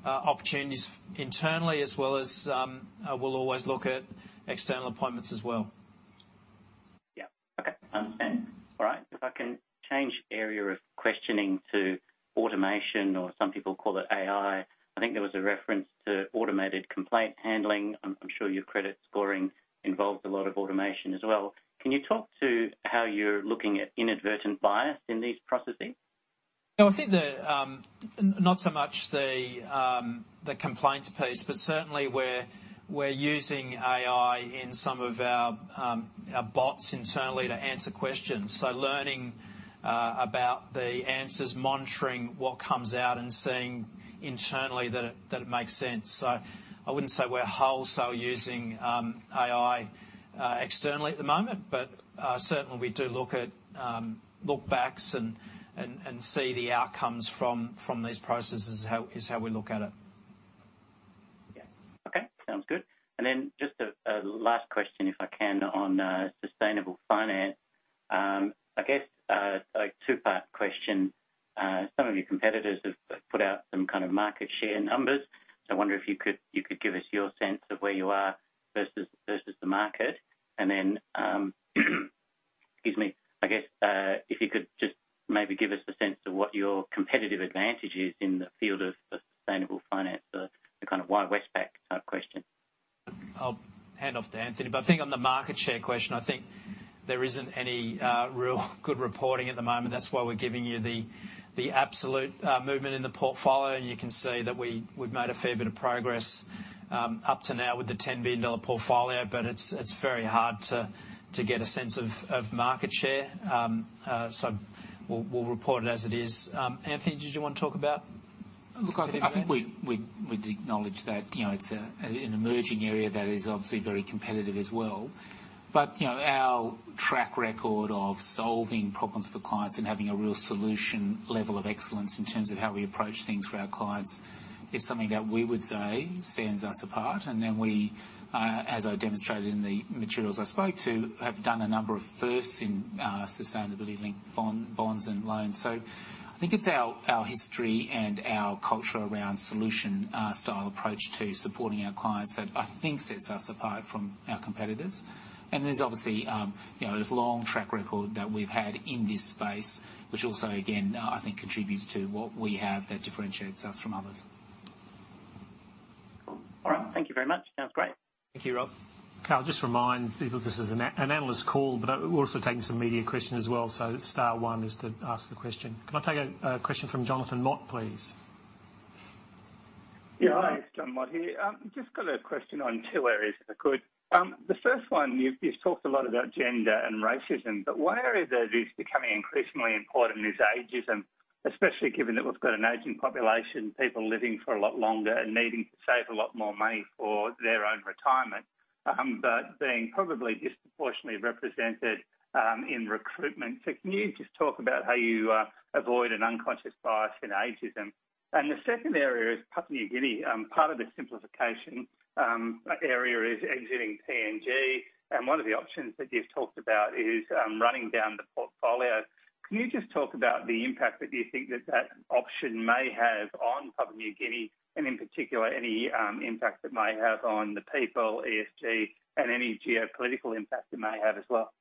S2: opportunities internally as well as we'll always look at external appointments as well.
S8: Yeah. Okay. Understand. All right. If I can change area of questioning to automation or some people call it AI. I think there was a reference to automated complaint handling. I'm sure your credit scoring involves a lot of automation as well. Can you talk to how you're looking at inadvertent bias in these processes?
S2: I think not so much the complaints piece, but certainly we're using AI in some of our bots internally to answer questions. Learning about the answers, monitoring what comes out, and seeing internally that it makes sense. I wouldn't say we're wholesale using AI externally at the moment, but certainly we do look at look backs and see the outcomes from these processes, is how we look at it.
S8: Yeah. Okay. Sounds good. Just a last question, if I can, on sustainable finance. I guess a two-part question. Some of your competitors have put out some kind of market share numbers. I wonder if you could give us your sense of where you are versus the market. Excuse me, I guess, if you could just maybe give us a sense of what your competitive advantage is in the field of sustainable finance or the kind of why Westpac type question.
S2: I'll hand off to Anthony. I think on the market share question, I think there isn't any real good reporting at the moment. That's why we're giving you the absolute movement in the portfolio, and you can see that we've made a fair bit of progress up to now with the 10 billion dollar portfolio. It's very hard to get a sense of market share. We'll report it as it is. Anthony, did you want to talk about?
S5: I think we'd acknowledge that it's an emerging area that is obviously very competitive as well. Our track record of solving problems for clients and having a real solution level of excellence in terms of how we approach things for our clients is something that we would say sets us apart. We, as I demonstrated in the materials I spoke to, have done a number of firsts in sustainability-linked bonds and loans. I think it's our history and our culture around solution style approach to supporting our clients that I think sets us apart from our competitors. There's obviously this long track record that we've had in this space, which also, again, I think contributes to what we have that differentiates us from others.
S8: All right. Thank you very much. Sounds great.
S2: Thank you, Rob.
S1: I'll just remind people this is an analyst call, but we're also taking some media questions as well, so star one is to ask a question. Can I take a question from Jonathan Mott, please?
S9: Yeah. Hi, it's Jon Mott here. Just got a question on two areas, if I could. The first one, you've talked a lot about gender and racism, but one area that is becoming increasingly important is ageism, especially given that we've got an aging population, people living for a lot longer and needing to save a lot more money for their own retirement, but being probably disproportionately represented in recruitment. Can you just talk about how you avoid an unconscious bias in ageism? The second area is Papua New Guinea. Part of the simplification area is exiting PNG, and one of the options that you've talked about is running down the portfolio. Can you just talk about the impact that you think that that option may have on Papua New Guinea and in particular, any impact it may have on the people, ESG, and any geopolitical impact it may have as well?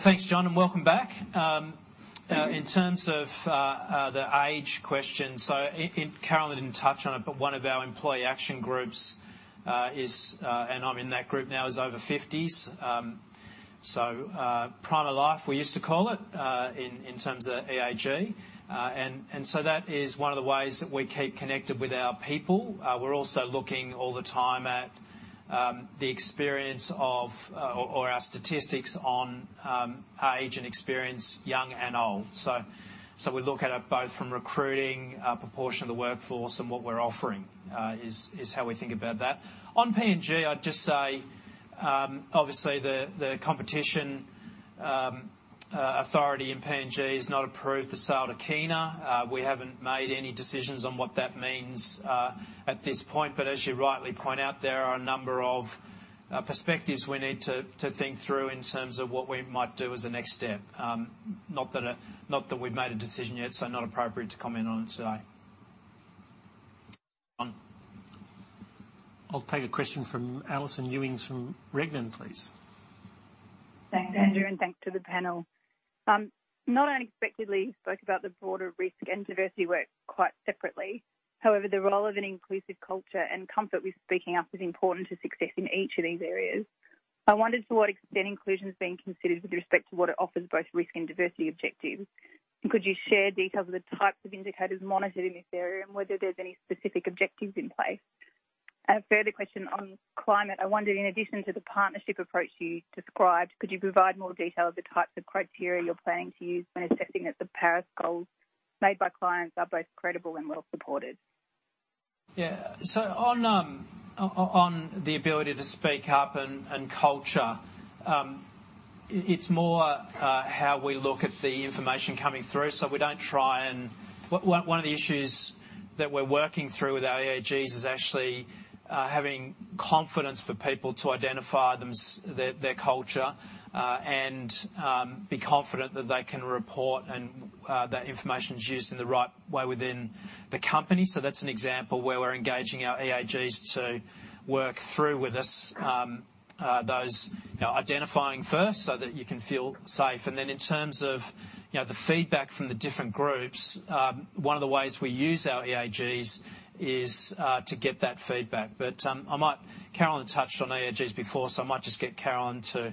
S2: Thanks, Jon, and welcome back. In terms of the age question, Carolyn didn't touch on it, but one of our employee action groups is, and I'm in that group now, is over 50s. Prime of life, we used to call it, in terms of EAG. That is one of the ways that we keep connected with our people. We're also looking all the time at the experience of or our statistics on age and experience, young and old. We look at it both from recruiting a proportion of the workforce and what we're offering is how we think about that. On PNG, I'd just say, obviously, the competition authority in PNG has not approved the sale to Kina. We haven't made any decisions on what that means at this point. As you rightly point out, there are a number of perspectives we need to think through in terms of what we might do as a next step. Not that we've made a decision yet, so not appropriate to comment on it today.
S1: I'll take a question from Alison Ewings from Regnan, please.
S10: Thanks, Andrew, and thanks to the panel. Not unexpectedly, you spoke about the broader risk and diversity work quite separately. The role of an inclusive culture and comfort with speaking up is important to success in each of these areas. I wondered to what extent inclusion is being considered with respect to what it offers both risk and diversity objectives. Could you share details of the types of indicators monitored in this area and whether there's any specific objectives in place? A further question on climate. I wondered, in addition to the partnership approach you described, could you provide more detail of the types of criteria you're planning to use when assessing that the Paris goals made by clients are both credible and well supported?
S2: Yeah. On the ability to speak up and culture, it's more how we look at the information coming through. We don't One of the issues that we're working through with our EAGs is actually having confidence for people to identify their culture, and be confident that they can report and that information is used in the right way within the company. That's an example where we're engaging our EAGs to work through with us those identifying first so that you can feel safe. In terms of the feedback from the different groups, one of the ways we use our EAGs is to get that feedback. Carolyn touched on EAGs before, I might just get Carolyn to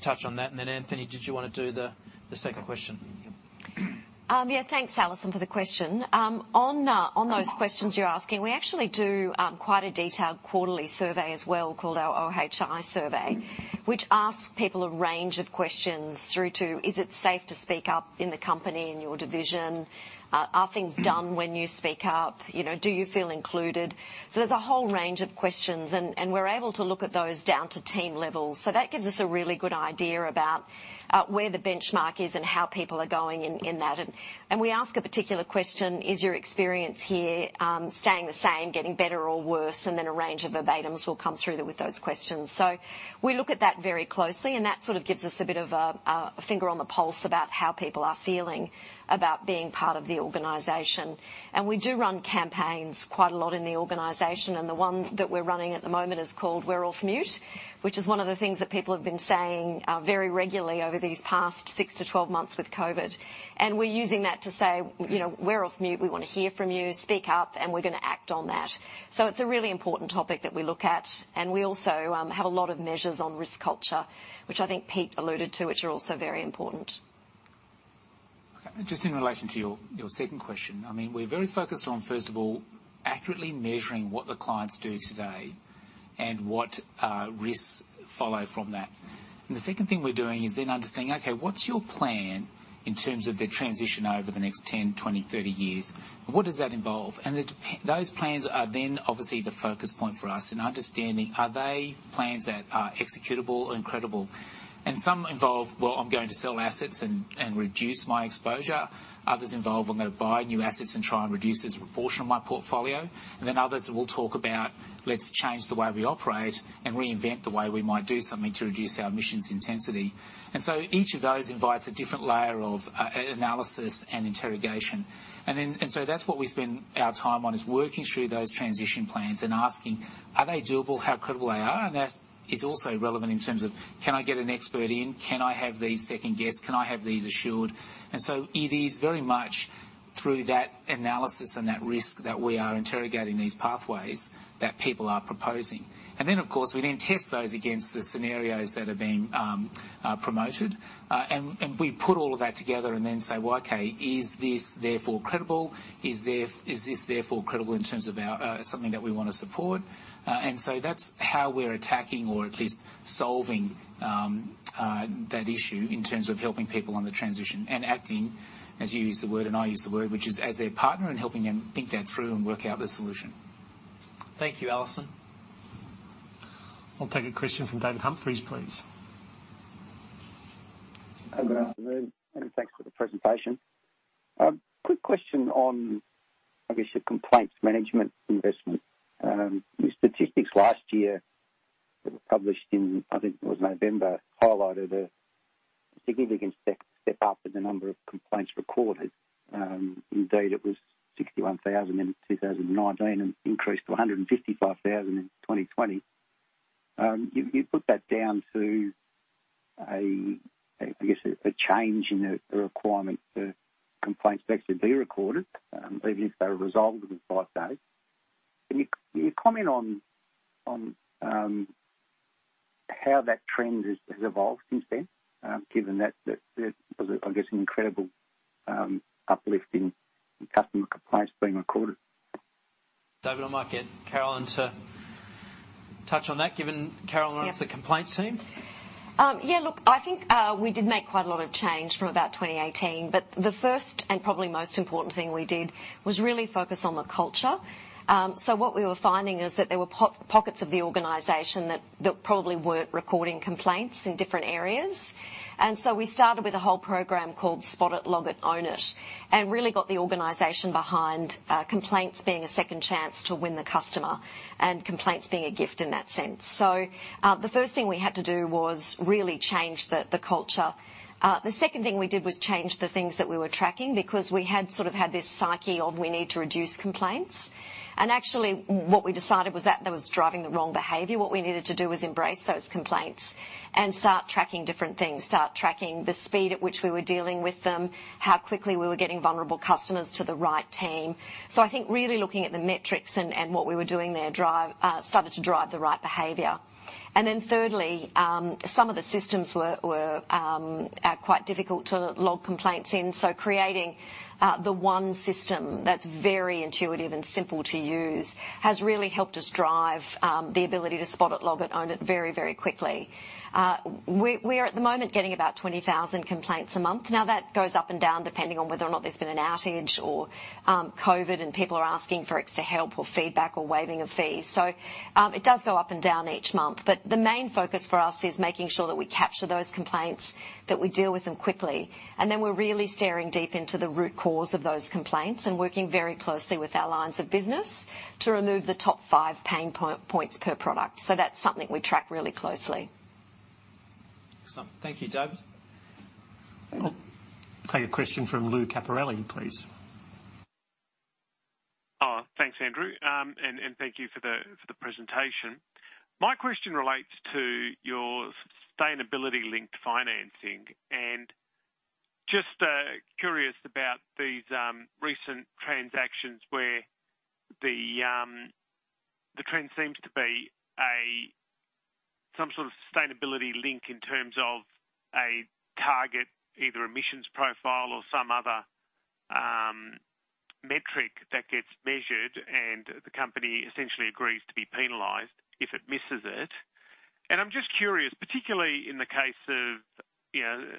S2: touch on that. Anthony, did you want to do the second question?
S5: Yeah.
S3: Thanks, Alison, for the question. On those questions you're asking, we actually do quite a detailed quarterly survey as well called our OHI survey, which asks people a range of questions through to, is it safe to speak up in the company, in your division? Are things done when you speak up? Do you feel included? There's a whole range of questions, and we're able to look at those down to team levels. That gives us a really good idea about where the benchmark is and how people are going in that. We ask a particular question, is your experience here staying the same, getting better or worse? Then a range of verbatims will come through with those questions. We look at that very closely, and that sort of gives us a bit of a finger on the pulse about how people are feeling about being part of the organization. We do run campaigns quite a lot in the organization, and the one that we're running at the moment is called We're off mute, which is one of the things that people have been saying very regularly over these past 6-12 months with COVID. We're using that to say, "We're off mute. We want to hear from you. Speak up, and we're going to act on that." It's a really important topic that we look at. We also have a lot of measures on risk culture, which I think Pete alluded to, which are also very important.
S5: Just in relation to your second question. We're very focused on, first of all, accurately measuring what the clients do today and what risks follow from that. The second thing we're doing is then understanding, okay, what's your plan in terms of the transition over the next 10, 20, 30 years? What does that involve? Those plans are then obviously the focus point for us and understanding are they plans that are executable and credible. Some involve, well, I'm going to sell assets and reduce my exposure. Others involve I'm going to buy new assets and try and reduce this proportion of my portfolio. Others will talk about let's change the way we operate and reinvent the way we might do something to reduce our emissions intensity. Each of those invites a different layer of analysis and interrogation. That's what we spend our time on, is working through those transition plans and asking, are they doable, how credible they are? That is also relevant in terms of, can I get an expert in? Can I have these second guessed? Can I have these assured? It is very much through that analysis and that risk that we are interrogating these pathways that people are proposing. Then, of course, we then test those against the scenarios that are being promoted. We put all of that together and then say, well, okay, is this therefore credible? Is this therefore credible in terms of something that we want to support? That's how we're attacking or at least solving that issue in terms of helping people on the transition and acting, as you use the word and I use the word, which is as their partner and helping them think that through and work out the solution.
S2: Thank you. Alison.
S1: I'll take a question from David Humphries, please.
S11: Good afternoon, and thanks for the presentation. Quick question on, I guess, the complaints management investment. The statistics last year that were published in, I think it was November, highlighted a significant step up in the number of complaints recorded. It was 61,000 in 2019 and increased to 155,000 in 2020. You put that down to, I guess, a change in the requirement for complaints to actually be recorded, even if they were resolved within five days. Can you comment on how that trend has evolved since then, given that it was, I guess, an incredible uplift in customer complaints being recorded?
S2: David, I might get Carolyn to touch on that, given Carolyn runs-.
S3: Yeah
S2: the complaints team.
S3: Yeah, look, I think we did make quite a lot of change from about 2018, the first and probably most important thing we did was really focus on the culture. What we were finding is that there were pockets of the organization that probably weren't recording complaints in different areas. We started with a whole program called Spot It, Log It, Own It, and really got the organization behind complaints being a second chance to win the customer, and complaints being a gift in that sense. The first thing we had to do was really change the culture. The second thing we did was change the things that we were tracking because we had sort of had this psyche of we need to reduce complaints. Actually, what we decided was that that was driving the wrong behavior. What we needed to do was embrace those complaints and start tracking different things, start tracking the speed at which we were dealing with them, how quickly we were getting vulnerable customers to the right team. I think really looking at the metrics and what we were doing there started to drive the right behavior. Thirdly, some of the systems were quite difficult to log complaints in. Creating the one system that's very intuitive and simple to use has really helped us drive the ability to Spot It, Log It, Own It very, very quickly. We are at the moment getting about 20,000 complaints a month. That goes up and down depending on whether or not there's been an outage or COVID, and people are asking for extra help or feedback or waiving of fees. It does go up and down each month. The main focus for us is making sure that we capture those complaints, that we deal with them quickly. We're really staring deep into the root cause of those complaints and working very closely with our lines of business to remove the top five pain points per product. That's something we track really closely.
S2: Excellent. Thank you, David.
S1: I'll take a question from Luca, please.
S12: Thanks, Andrew, and thank you for the presentation. My question relates to your sustainablity-linked financing and just curious, about these recent transactions where the trend seems to be some sort of sustainability-link in terms of a target, either emissions profile or some other metric that gets measured, and the company essentially agrees to be penalized if it misses it. I'm just curious, particularly in the case of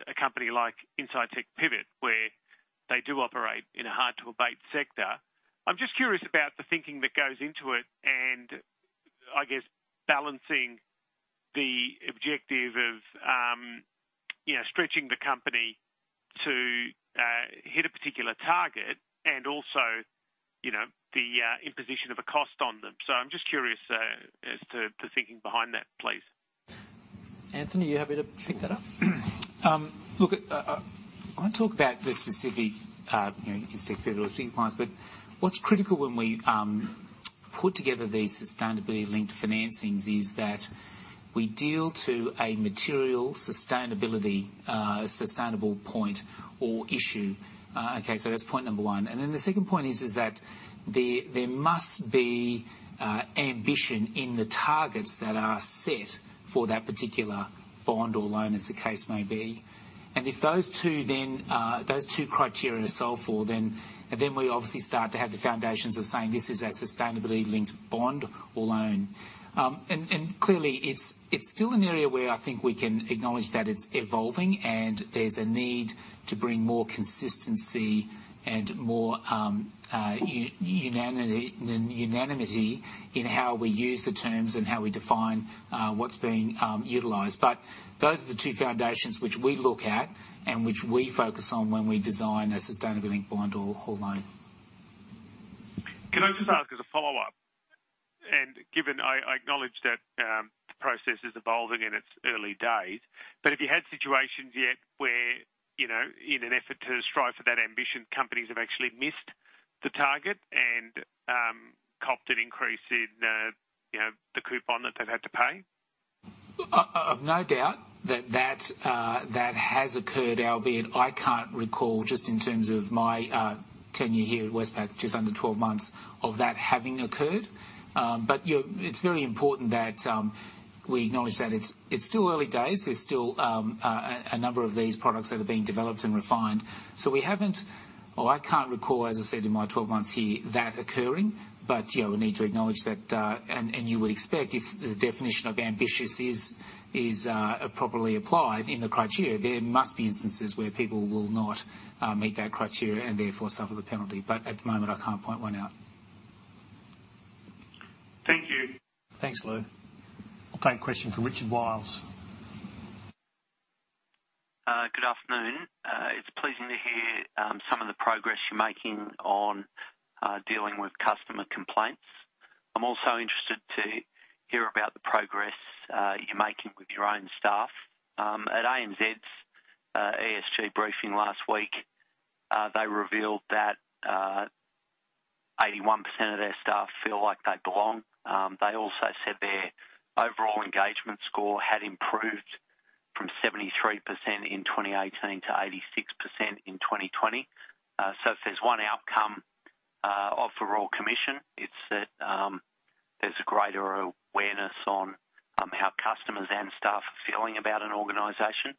S12: a company like Incitec Pivot, where they do operate in a hard-to-abate sector. I'm just curious about the thinking that goes into it and I guess balancing the objective of stretching the company to hit a particular target and also the imposition of a cost on them. I'm just curious as to the thinking behind that, please.
S2: Anthony, you happy to pick that up?
S5: I talk about the specific Incitec Pivot or steel clients, what's critical when we put together these sustainability linked financings is that we deal to a material sustainable point or issue. That's point number one. The second point is that there must be ambition in the targets that are set for that particular bond or loan, as the case may be. If those two criteria are solved for, we obviously start to have the foundations of saying this is a sustainability linked bond or loan. Clearly, it's still an area where I think we can acknowledge that it's evolving, and there's a need to bring more consistency and more unanimity in how we use the terms and how we define what's being utilized. Those are the two foundations which we look at and which we focus on when we design a sustainability-linked bond or loan.
S12: Can I just ask as a follow-up, and given I acknowledge that the process is evolving in its early days, but have you had situations yet where, in an effort to strive for that ambition, companies have actually missed the target and copped an increase in the coupon that they've had to pay?
S5: I've no doubt that that has occurred, albeit I can't recall just in terms of my tenure here at Westpac, just under 12 months, of that having occurred. It's very important that we acknowledge that it's still early days. There's still a number of these products that are being developed and refined. We haven't, or I can't recall, as I said, in my 12 months here, that occurring. We need to acknowledge that, and you would expect if the definition of ambitious is properly applied in the criteria, there must be instances where people will not meet that criteria and therefore suffer the penalty. At the moment, I can't point one out.
S12: Thank you.
S1: Thanks, Luca. I'll take a question from Richard Wiles.
S13: Good afternoon. It's pleasing to hear some of the progress you're making on dealing with customer complaints. I'm also interested to hear about the progress you're making with your own staff. At ANZ's ESG briefing last week, they revealed that 81% of their staff feel like they belong. They also said their overall engagement score had improved from 73% in 2018 to 86% in 2020. If there's one outcome of the Royal Commission, it's that there's a greater awareness on how customers and staff are feeling about an organization.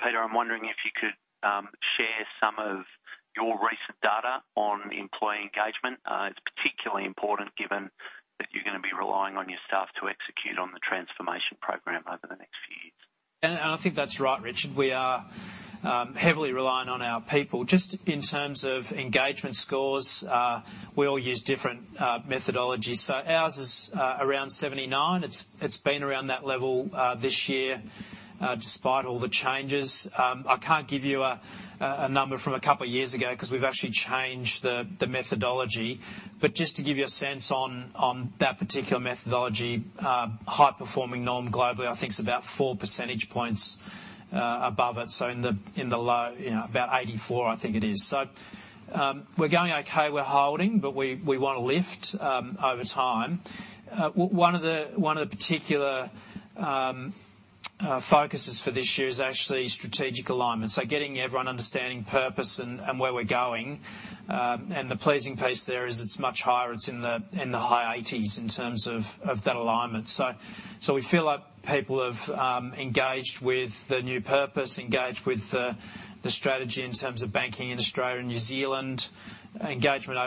S13: Peter, I'm wondering if you could share some of your recent data on employee engagement. It's particularly important given that you're going to be relying on your staff to execute on the transformation program over the next few years.
S2: I think that's right, Richard. We are heavily reliant on our people. Just in terms of engagement scores, we all use different methodologies. Ours is around 79. It's been around that level this year, despite all the changes. I can't give you a number from a couple of years ago, because we've actually changed the methodology. Just to give you a sense on that particular methodology, high performing norm globally, I think it's about four percentage points above it. In the low, about 84, I think it is. We're going okay, we're holding, but we want to lift over time. One of the particular focuses for this year is actually strategic alignment. Getting everyone understanding purpose and where we're going, and the pleasing piece there is it's much higher. It's in the high 80s in terms of that alignment. We feel like people have engaged with the new purpose, engaged with the strategy in terms of banking in Australia and New Zealand. Engagement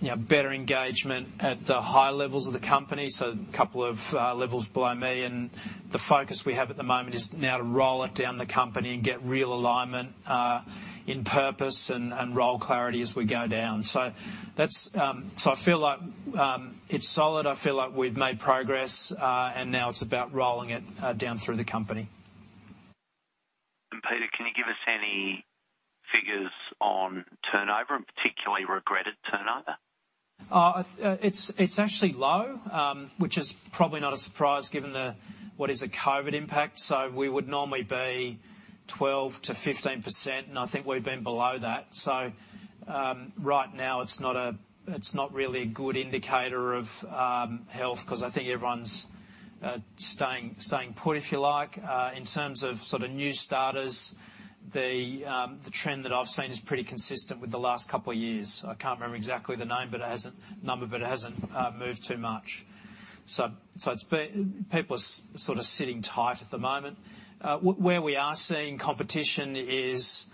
S2: overall is okay. We're seeing better engagement at the higher levels of the company, so a couple of levels below me, and the focus we have at the moment is now to roll it down the company and get real alignment in purpose and role clarity as we go down. I feel like it's solid. I feel like we've made progress, and now it's about rolling it down through the company.
S13: Peter, can you give us any figures on turnover, and particularly regretted turnover?
S2: It's actually low, which is probably not a surprise given what is a COVID impact. We would normally be 12%-15%, and I think we've been below that. Right now, it's not really a good indicator of health because I think everyone's staying put, if you like. In terms of sort of new starters, the trend that I've seen is pretty consistent with the last couple of years. I can't remember exactly the number, but it hasn't moved too much. People are sort of sitting tight at the moment. Where we are seeing competition is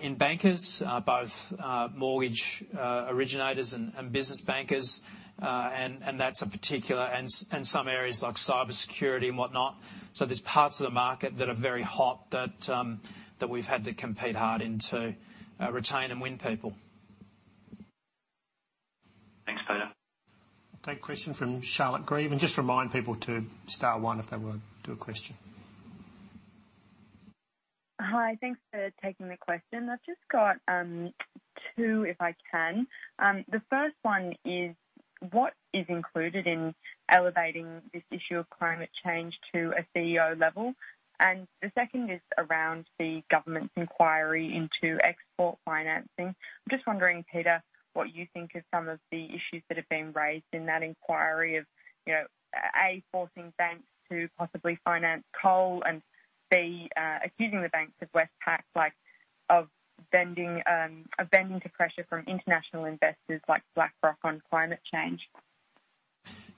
S2: in bankers, both mortgage originators and business bankers, and that's a particular, and some areas like cybersecurity and whatnot. There's parts of the market that are very hot that we've had to compete hard in to retain and win people.
S13: Thanks, Peter.
S1: I'll take a question from Charlotte Grieve, and just remind people to star one if they want to do a question.
S14: Hi. Thanks for taking the question. I've just got two, if I can. The first one is, what is included in elevating this issue of climate change to a CEO level? The second is around the government's inquiry into export financing. I'm just wondering, Peter, what you think are some of the issues that have been raised in that inquiry of, A, forcing banks to possibly finance coal, and B, accusing the banks of Westpac of bending to pressure from international investors like BlackRock on climate change.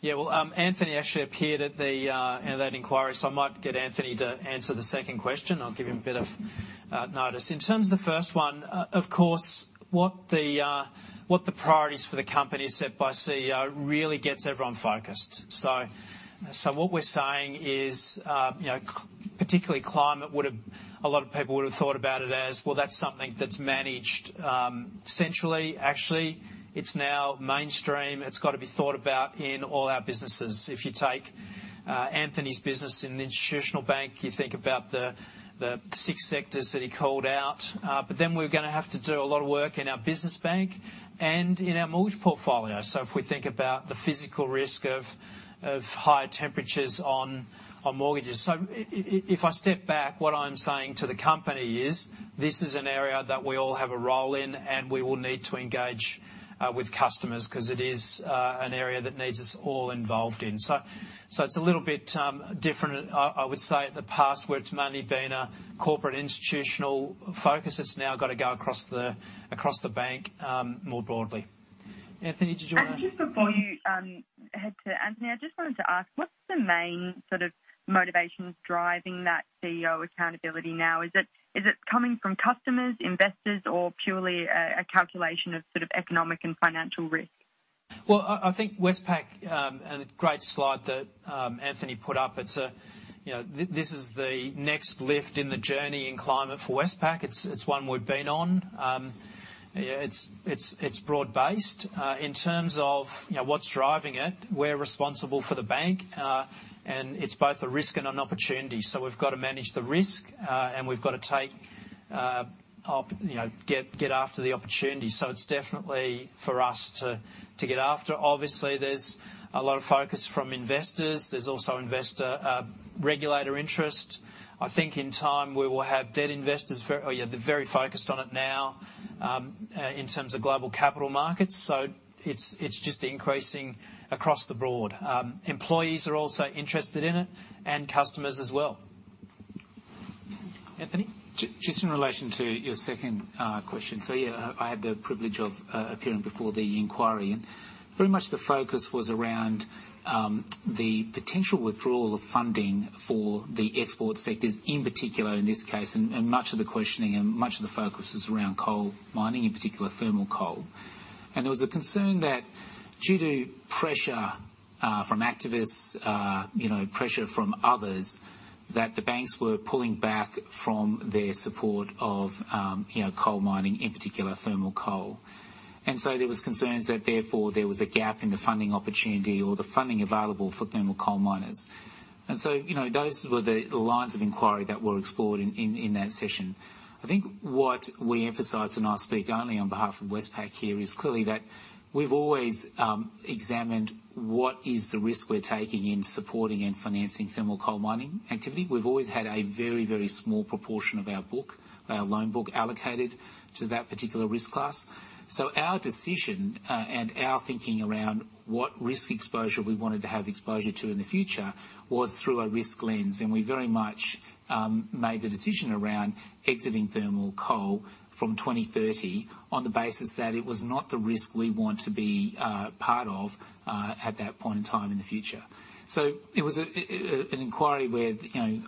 S2: Well, Anthony actually appeared at that inquiry. I might get Anthony to answer the second question. I'll give him a bit of notice. In terms of the first one, of course, what the priorities for the company set by CEO really gets everyone focused. What we're saying is, particularly climate, a lot of people would've thought about it as, well, that's something that's managed centrally. Actually, it's now mainstream. It's got to be thought about in all our businesses. If you take Anthony's business in the institutional bank, you think about the 6 sectors that he called out. We're going to have to do a lot of work in our business bank and in our mortgage portfolio. If we think about the physical risk of high temperatures on mortgages. If I step back, what I'm saying to the company is, this is an area that we all have a role in, and we will need to engage with customers because it is an area that needs us all involved in. It's a little bit different, I would say, at the past, where it's mainly been a corporate institutional focus. It's now got to go across the bank more broadly. Anthony, did you want to-
S14: Just before you head to Anthony, I just wanted to ask, what's the main sort of motivations driving that CEO accountability now? Is it coming from customers, investors, or purely a calculation of sort of economic and financial risk?
S2: Well, I think Westpac, and a great slide that Anthony put up, this is the next lift in the journey in climate for Westpac. It's one we've been on. It's broad-based. In terms of what's driving it, we're responsible for the bank, and it's both a risk and an opportunity. We've got to manage the risk, and we've got to get after the opportunity. It's definitely for us to get after. Obviously, there's a lot of focus from investors. There's also investor regulator interest. I think in time, we will have debt investors. Oh, yeah, they're very focused on it now in terms of global capital markets. It's just increasing across the board. Employees are also interested in it and customers as well. Anthony.
S5: Just in relation to your second question. Yeah, I had the privilege of appearing before the inquiry. Very much the focus was around the potential withdrawal of funding for the export sectors, in particular, in this case. Much of the questioning and much of the focus was around coal mining, in particular, thermal coal. There was a concern that due to pressure from activists, pressure from others, that the banks were pulling back from their support of coal mining, in particular, thermal coal. There was concerns that therefore there was a gap in the funding opportunity or the funding available for thermal coal miners. Those were the lines of inquiry that were explored in that session. I think what we emphasized, and I speak only on behalf of Westpac here, is clearly that we've always examined what is the risk we're taking in supporting and financing thermal coal mining activity. We've always had a very small proportion of our book, our loan book, allocated to that particular risk class. Our decision, and our thinking around what risk exposure we wanted to have exposure to in the future was through a risk lens, and we very much made the decision around exiting thermal coal from 2030 on the basis that it was not the risk we want to be part of at that point in time in the future. It was an inquiry where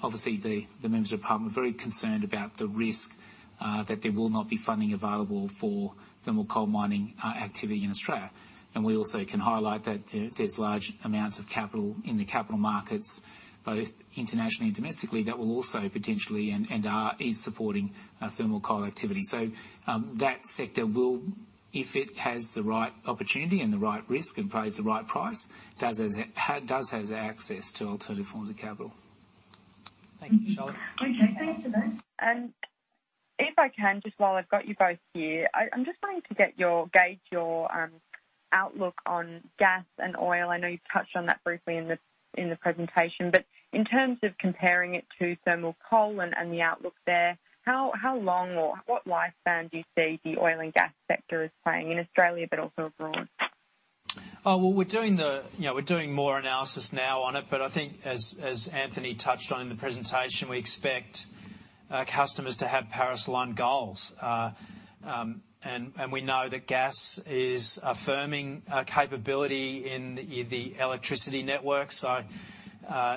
S5: obviously the members of parliament were very concerned about the risk that there will not be funding available for thermal coal mining activity in Australia. We also can highlight that there's large amounts of capital in the capital markets, both internationally and domestically, that will also potentially, and is supporting thermal coal activity. That sector will, if it has the right opportunity and the right risk and pays the right price, has access to alternative forms of capital.
S2: Thank you, Charlotte.
S14: Okay. Thanks for that. If I can, just while I've got you both here, I am just wanting to gauge your outlook on gas and oil. I know you touched on that briefly in the presentation, but in terms of comparing it to thermal coal and the outlook there, how long or what lifespan do you see the oil and gas sector as playing in Australia but also abroad?
S2: Well, we're doing more analysis now on it, but I think as Anthony touched on in the presentation, we expect our customers to have Paris-aligned goals. We know that gas is a firming capability in the electricity network, so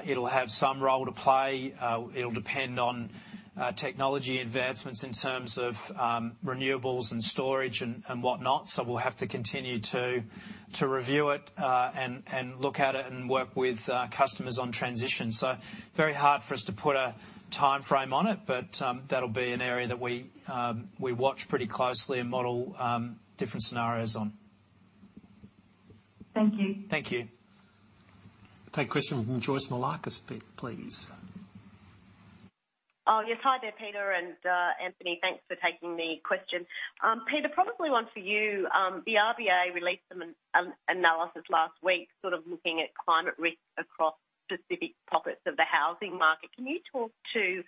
S2: it'll have some role to play. It'll depend on technology advancements in terms of renewables and storage and whatnot. We'll have to continue to review it and look at it and work with customers on transition. Very hard for us to put a timeframe on it, but that'll be an area that we watch pretty closely and model different scenarios on.
S14: Thank you.
S2: Thank you.
S1: I'll take a question from Joyce Moullakis, please.
S15: Oh, yes. Hi there, Peter and Anthony. Thanks for taking the question. Peter, probably one for you. The RBA released an analysis last week, sort of looking at climate risk across specific pockets of the housing market. Can you talk to,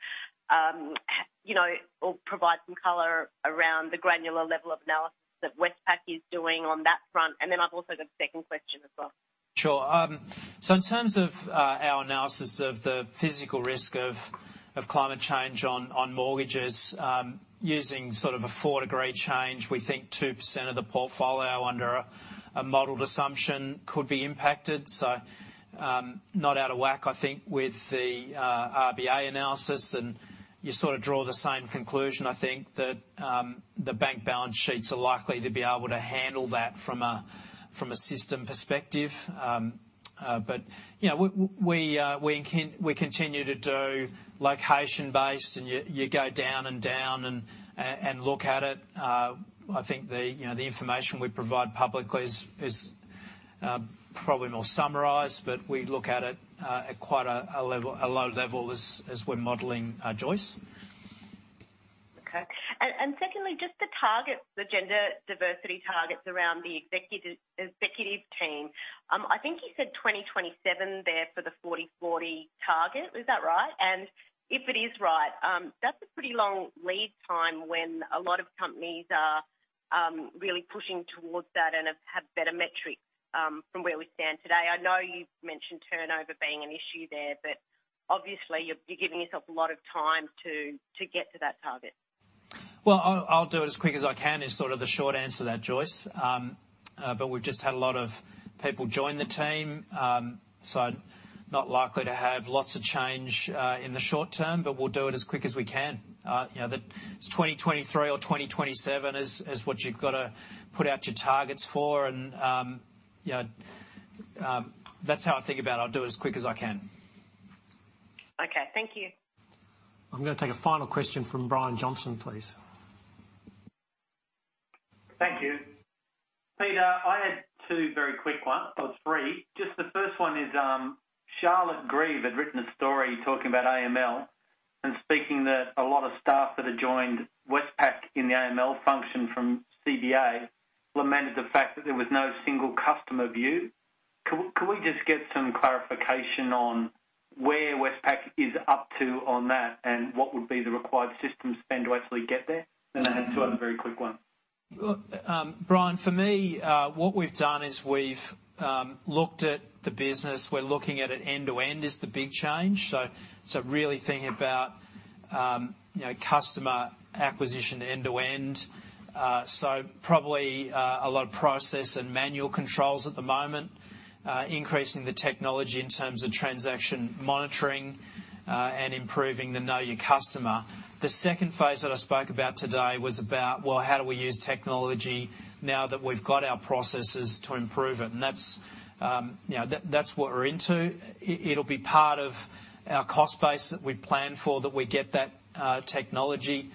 S15: or provide some color around the granular level of analysis that Westpac is doing on that front? I've also got a second question as well.
S2: In terms of our analysis of the physical risk of climate change on mortgages, using sort of a four-degree change, we think 2% of the portfolio under a modeled assumption could be impacted. Not out of whack, I think, with the RBA analysis. You sort of draw the same conclusion, I think, that the bank balance sheets are likely to be able to handle that from a system perspective. We continue to do location-based, and you go down and down and look at it. I think the information we provide publicly is probably more summarized, but we look at it at quite a low level as we're modeling, Joyce.
S15: Okay. Secondly, just the targets, the gender diversity targets around the executive team. I think you said 2027 there for the 40:40 target. Is that right? If it is right, that's a pretty long lead time when a lot of companies are really pushing towards that and have better metrics from where we stand today. I know you mentioned turnover being an issue there, but obviously you're giving yourself a lot of time to get to that target.
S2: Well, I'll do it as quick as I can is sort of the short answer to that, Joyce. We've just had a lot of people join the team, so not likely to have lots of change in the short term, but we'll do it as quick as we can. It's 2023 or 2027 is what you've got to put out your targets for and that's how I think about it. I'll do it as quick as I can.
S15: Okay. Thank you.
S1: I'm going to take a final question from Brian Johnson, please.
S7: Thank you. Peter, I had two very quick ones, or three. Just the first one is, Charlotte Grieve had written a story talking about AML and speaking that a lot of staff that had joined Westpac in the AML function from CBA lamented the fact that there was no single customer view. Could we just get some clarification on where Westpac is up to on that, and what would be the required system spend to actually get there? I have two other very quick ones.
S2: Brian, for me, what we've done is we've looked at the business. We're looking at it end-to-end is the big change. Really thinking about customer acquisition end-to-end. Probably a lot of process and manual controls at the moment. Increasing the technology in terms of transaction monitoring, and improving the know your customer. The second phase that I spoke about today was about, well, how do we use technology now that we've got our processes to improve it? That's what we're into. It'll be part of our cost base that we plan for, that we get that technology.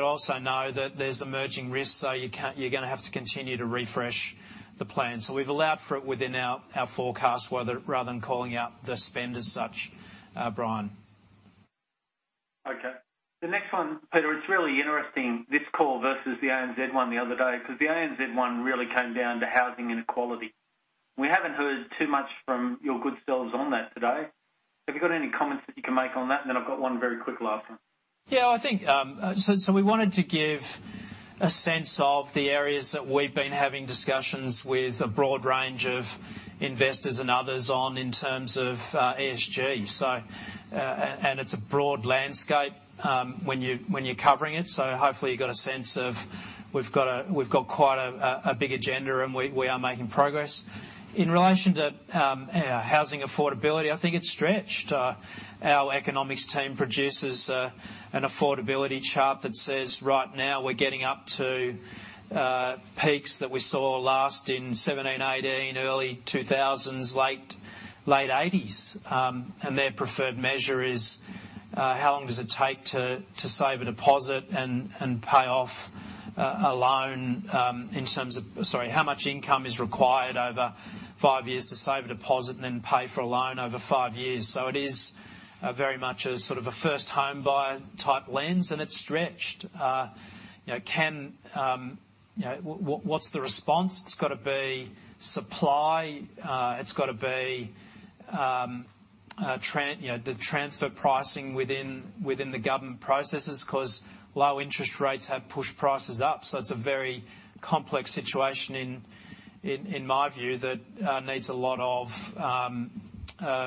S2: Also know that there's emerging risks. You're going to have to continue to refresh the plan. We've allowed for it within our forecast rather than calling out the spend as such, Brian.
S7: Okay. The next one, Peter, it's really interesting, this call versus the ANZ one the other day, because the ANZ one really came down to housing inequality. We haven't heard too much from your good selves on that today. Have you got any comments that you can make on that? I've got one very quick last one.
S2: We wanted to give a sense of the areas that we've been having discussions with a broad range of investors and others on in terms of ESG. It's a broad landscape when you're covering it. Hopefully you got a sense of we've got quite a big agenda and we are making progress. In relation to housing affordability, I think it's stretched. Our economics team produces an affordability chart that says right now we're getting up to peaks that we saw last in 2017, 2018, early 2000s, late 1980s. Their preferred measure is, how long does it take to save a deposit and pay off a loan in terms of Sorry, how much income is required over five years to save a deposit and then pay for a loan over five years. It is very much a sort of a first home buyer type lens and it's stretched. What's the response? It's got to be supply, it's got to be the transfer pricing within the government processes because low interest rates have pushed prices up. It's a very complex situation in my view, that needs a lot of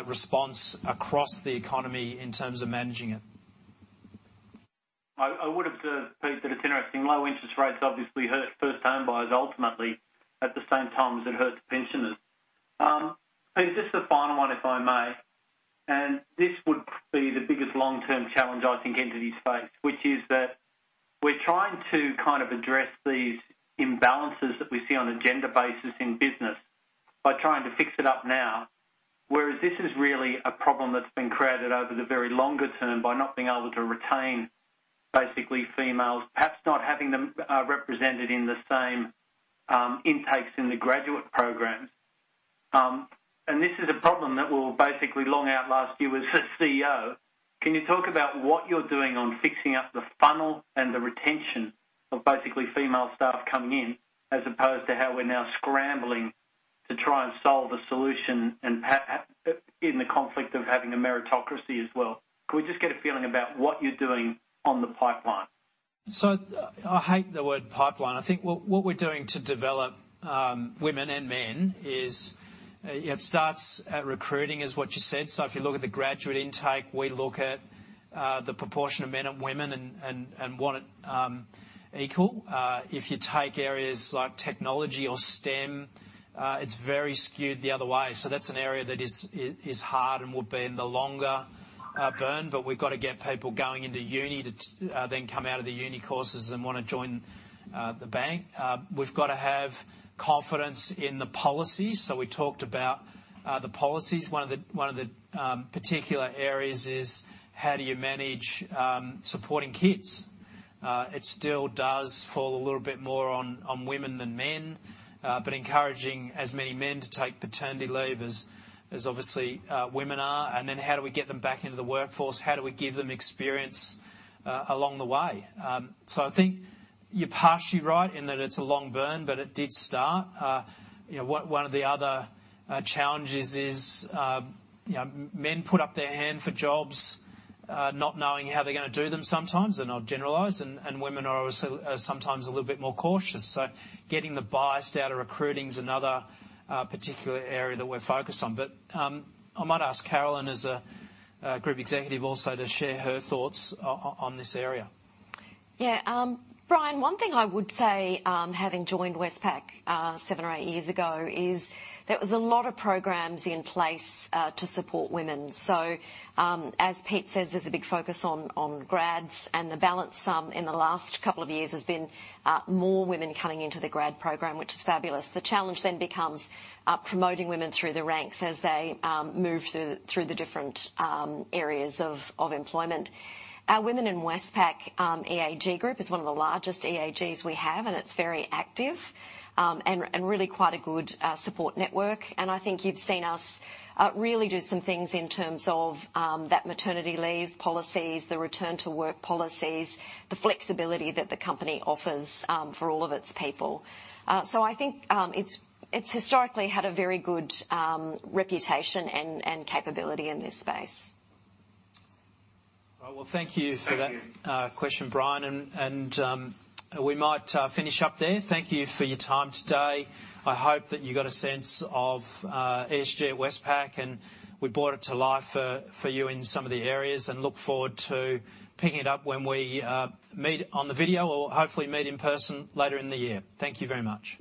S2: response across the economy in terms of managing it.
S7: I would observe, Pete, that it's interesting. Low interest rates obviously hurt first home buyers ultimately at the same time as it hurts pensioners. Pete, just a final one, if I may. This would be the biggest long-term challenge I think entities face, which is that we're trying to kind of address these imbalances that we see on a gender basis in business by trying to fix it up now. Whereas this is really a problem that's been created over the very longer term by not being able to retain basically females, perhaps not having them represented in the same intakes in the graduate program. This is a problem that will basically long outlast you as CEO. Can you talk about what you're doing on fixing up the funnel and the retention of basically female staff coming in, as opposed to how we're now scrambling to try and solve a solution and in the conflict of having a meritocracy as well. Could we just get a feeling about what you're doing on the pipeline?
S2: I hate the word pipeline. I think what we're doing to develop women and men is it starts at recruiting, is what you said. If you look at the graduate intake, we look at the proportion of men and women and want it equal. If you take areas like technology or STEM, it's very skewed the other way. That's an area that is hard and will be in the longer burn. We've got to get people going into uni to then come out of the uni courses and want to join the bank. We've got to have confidence in the policies. We talked about the policies. One of the particular areas is how do you manage supporting kids? It still does fall a little bit more on women than men. Encouraging as many men to take paternity leave as obviously women are. Then how do we get them back into the workforce? How do we give them experience along the way? I think you're partially right in that it's a long burn, but it did start. One of the other challenges is men put up their hand for jobs, not knowing how they're going to do them sometimes, and I'll generalize, and women are also sometimes a little bit more cautious. Getting the bias out of recruiting is another particular area that we're focused on. I might ask Carolyn as a Group Executive also to share her thoughts on this area.
S3: Brian, one thing I would say, having joined Westpac seven or eight years ago, is there was a lot of programs in place to support women. As Pete says, there's a big focus on grads and the balance in the last couple of years has been more women coming into the grad program, which is fabulous. The challenge then becomes promoting women through the ranks as they move through the different areas of employment. Our Women of Westpac EAG group is one of the largest EAGs we have, and it's very active and really quite a good support network. I think you've seen us really do some things in terms of that maternity-leave policies, the return to work policies, the flexibility that the company offers for all of its people. I think it's historically had a very good reputation and capability in this space.
S2: Well, thank you for that.
S7: Thank you.
S2: Question, Brian. We might finish up there. Thank you for your time today. I hope that you got a sense of ESG at Westpac. We brought it to life for you in some of the areas and look forward to picking it up when we meet on the video or hopefully meet in person later in the year. Thank you very much.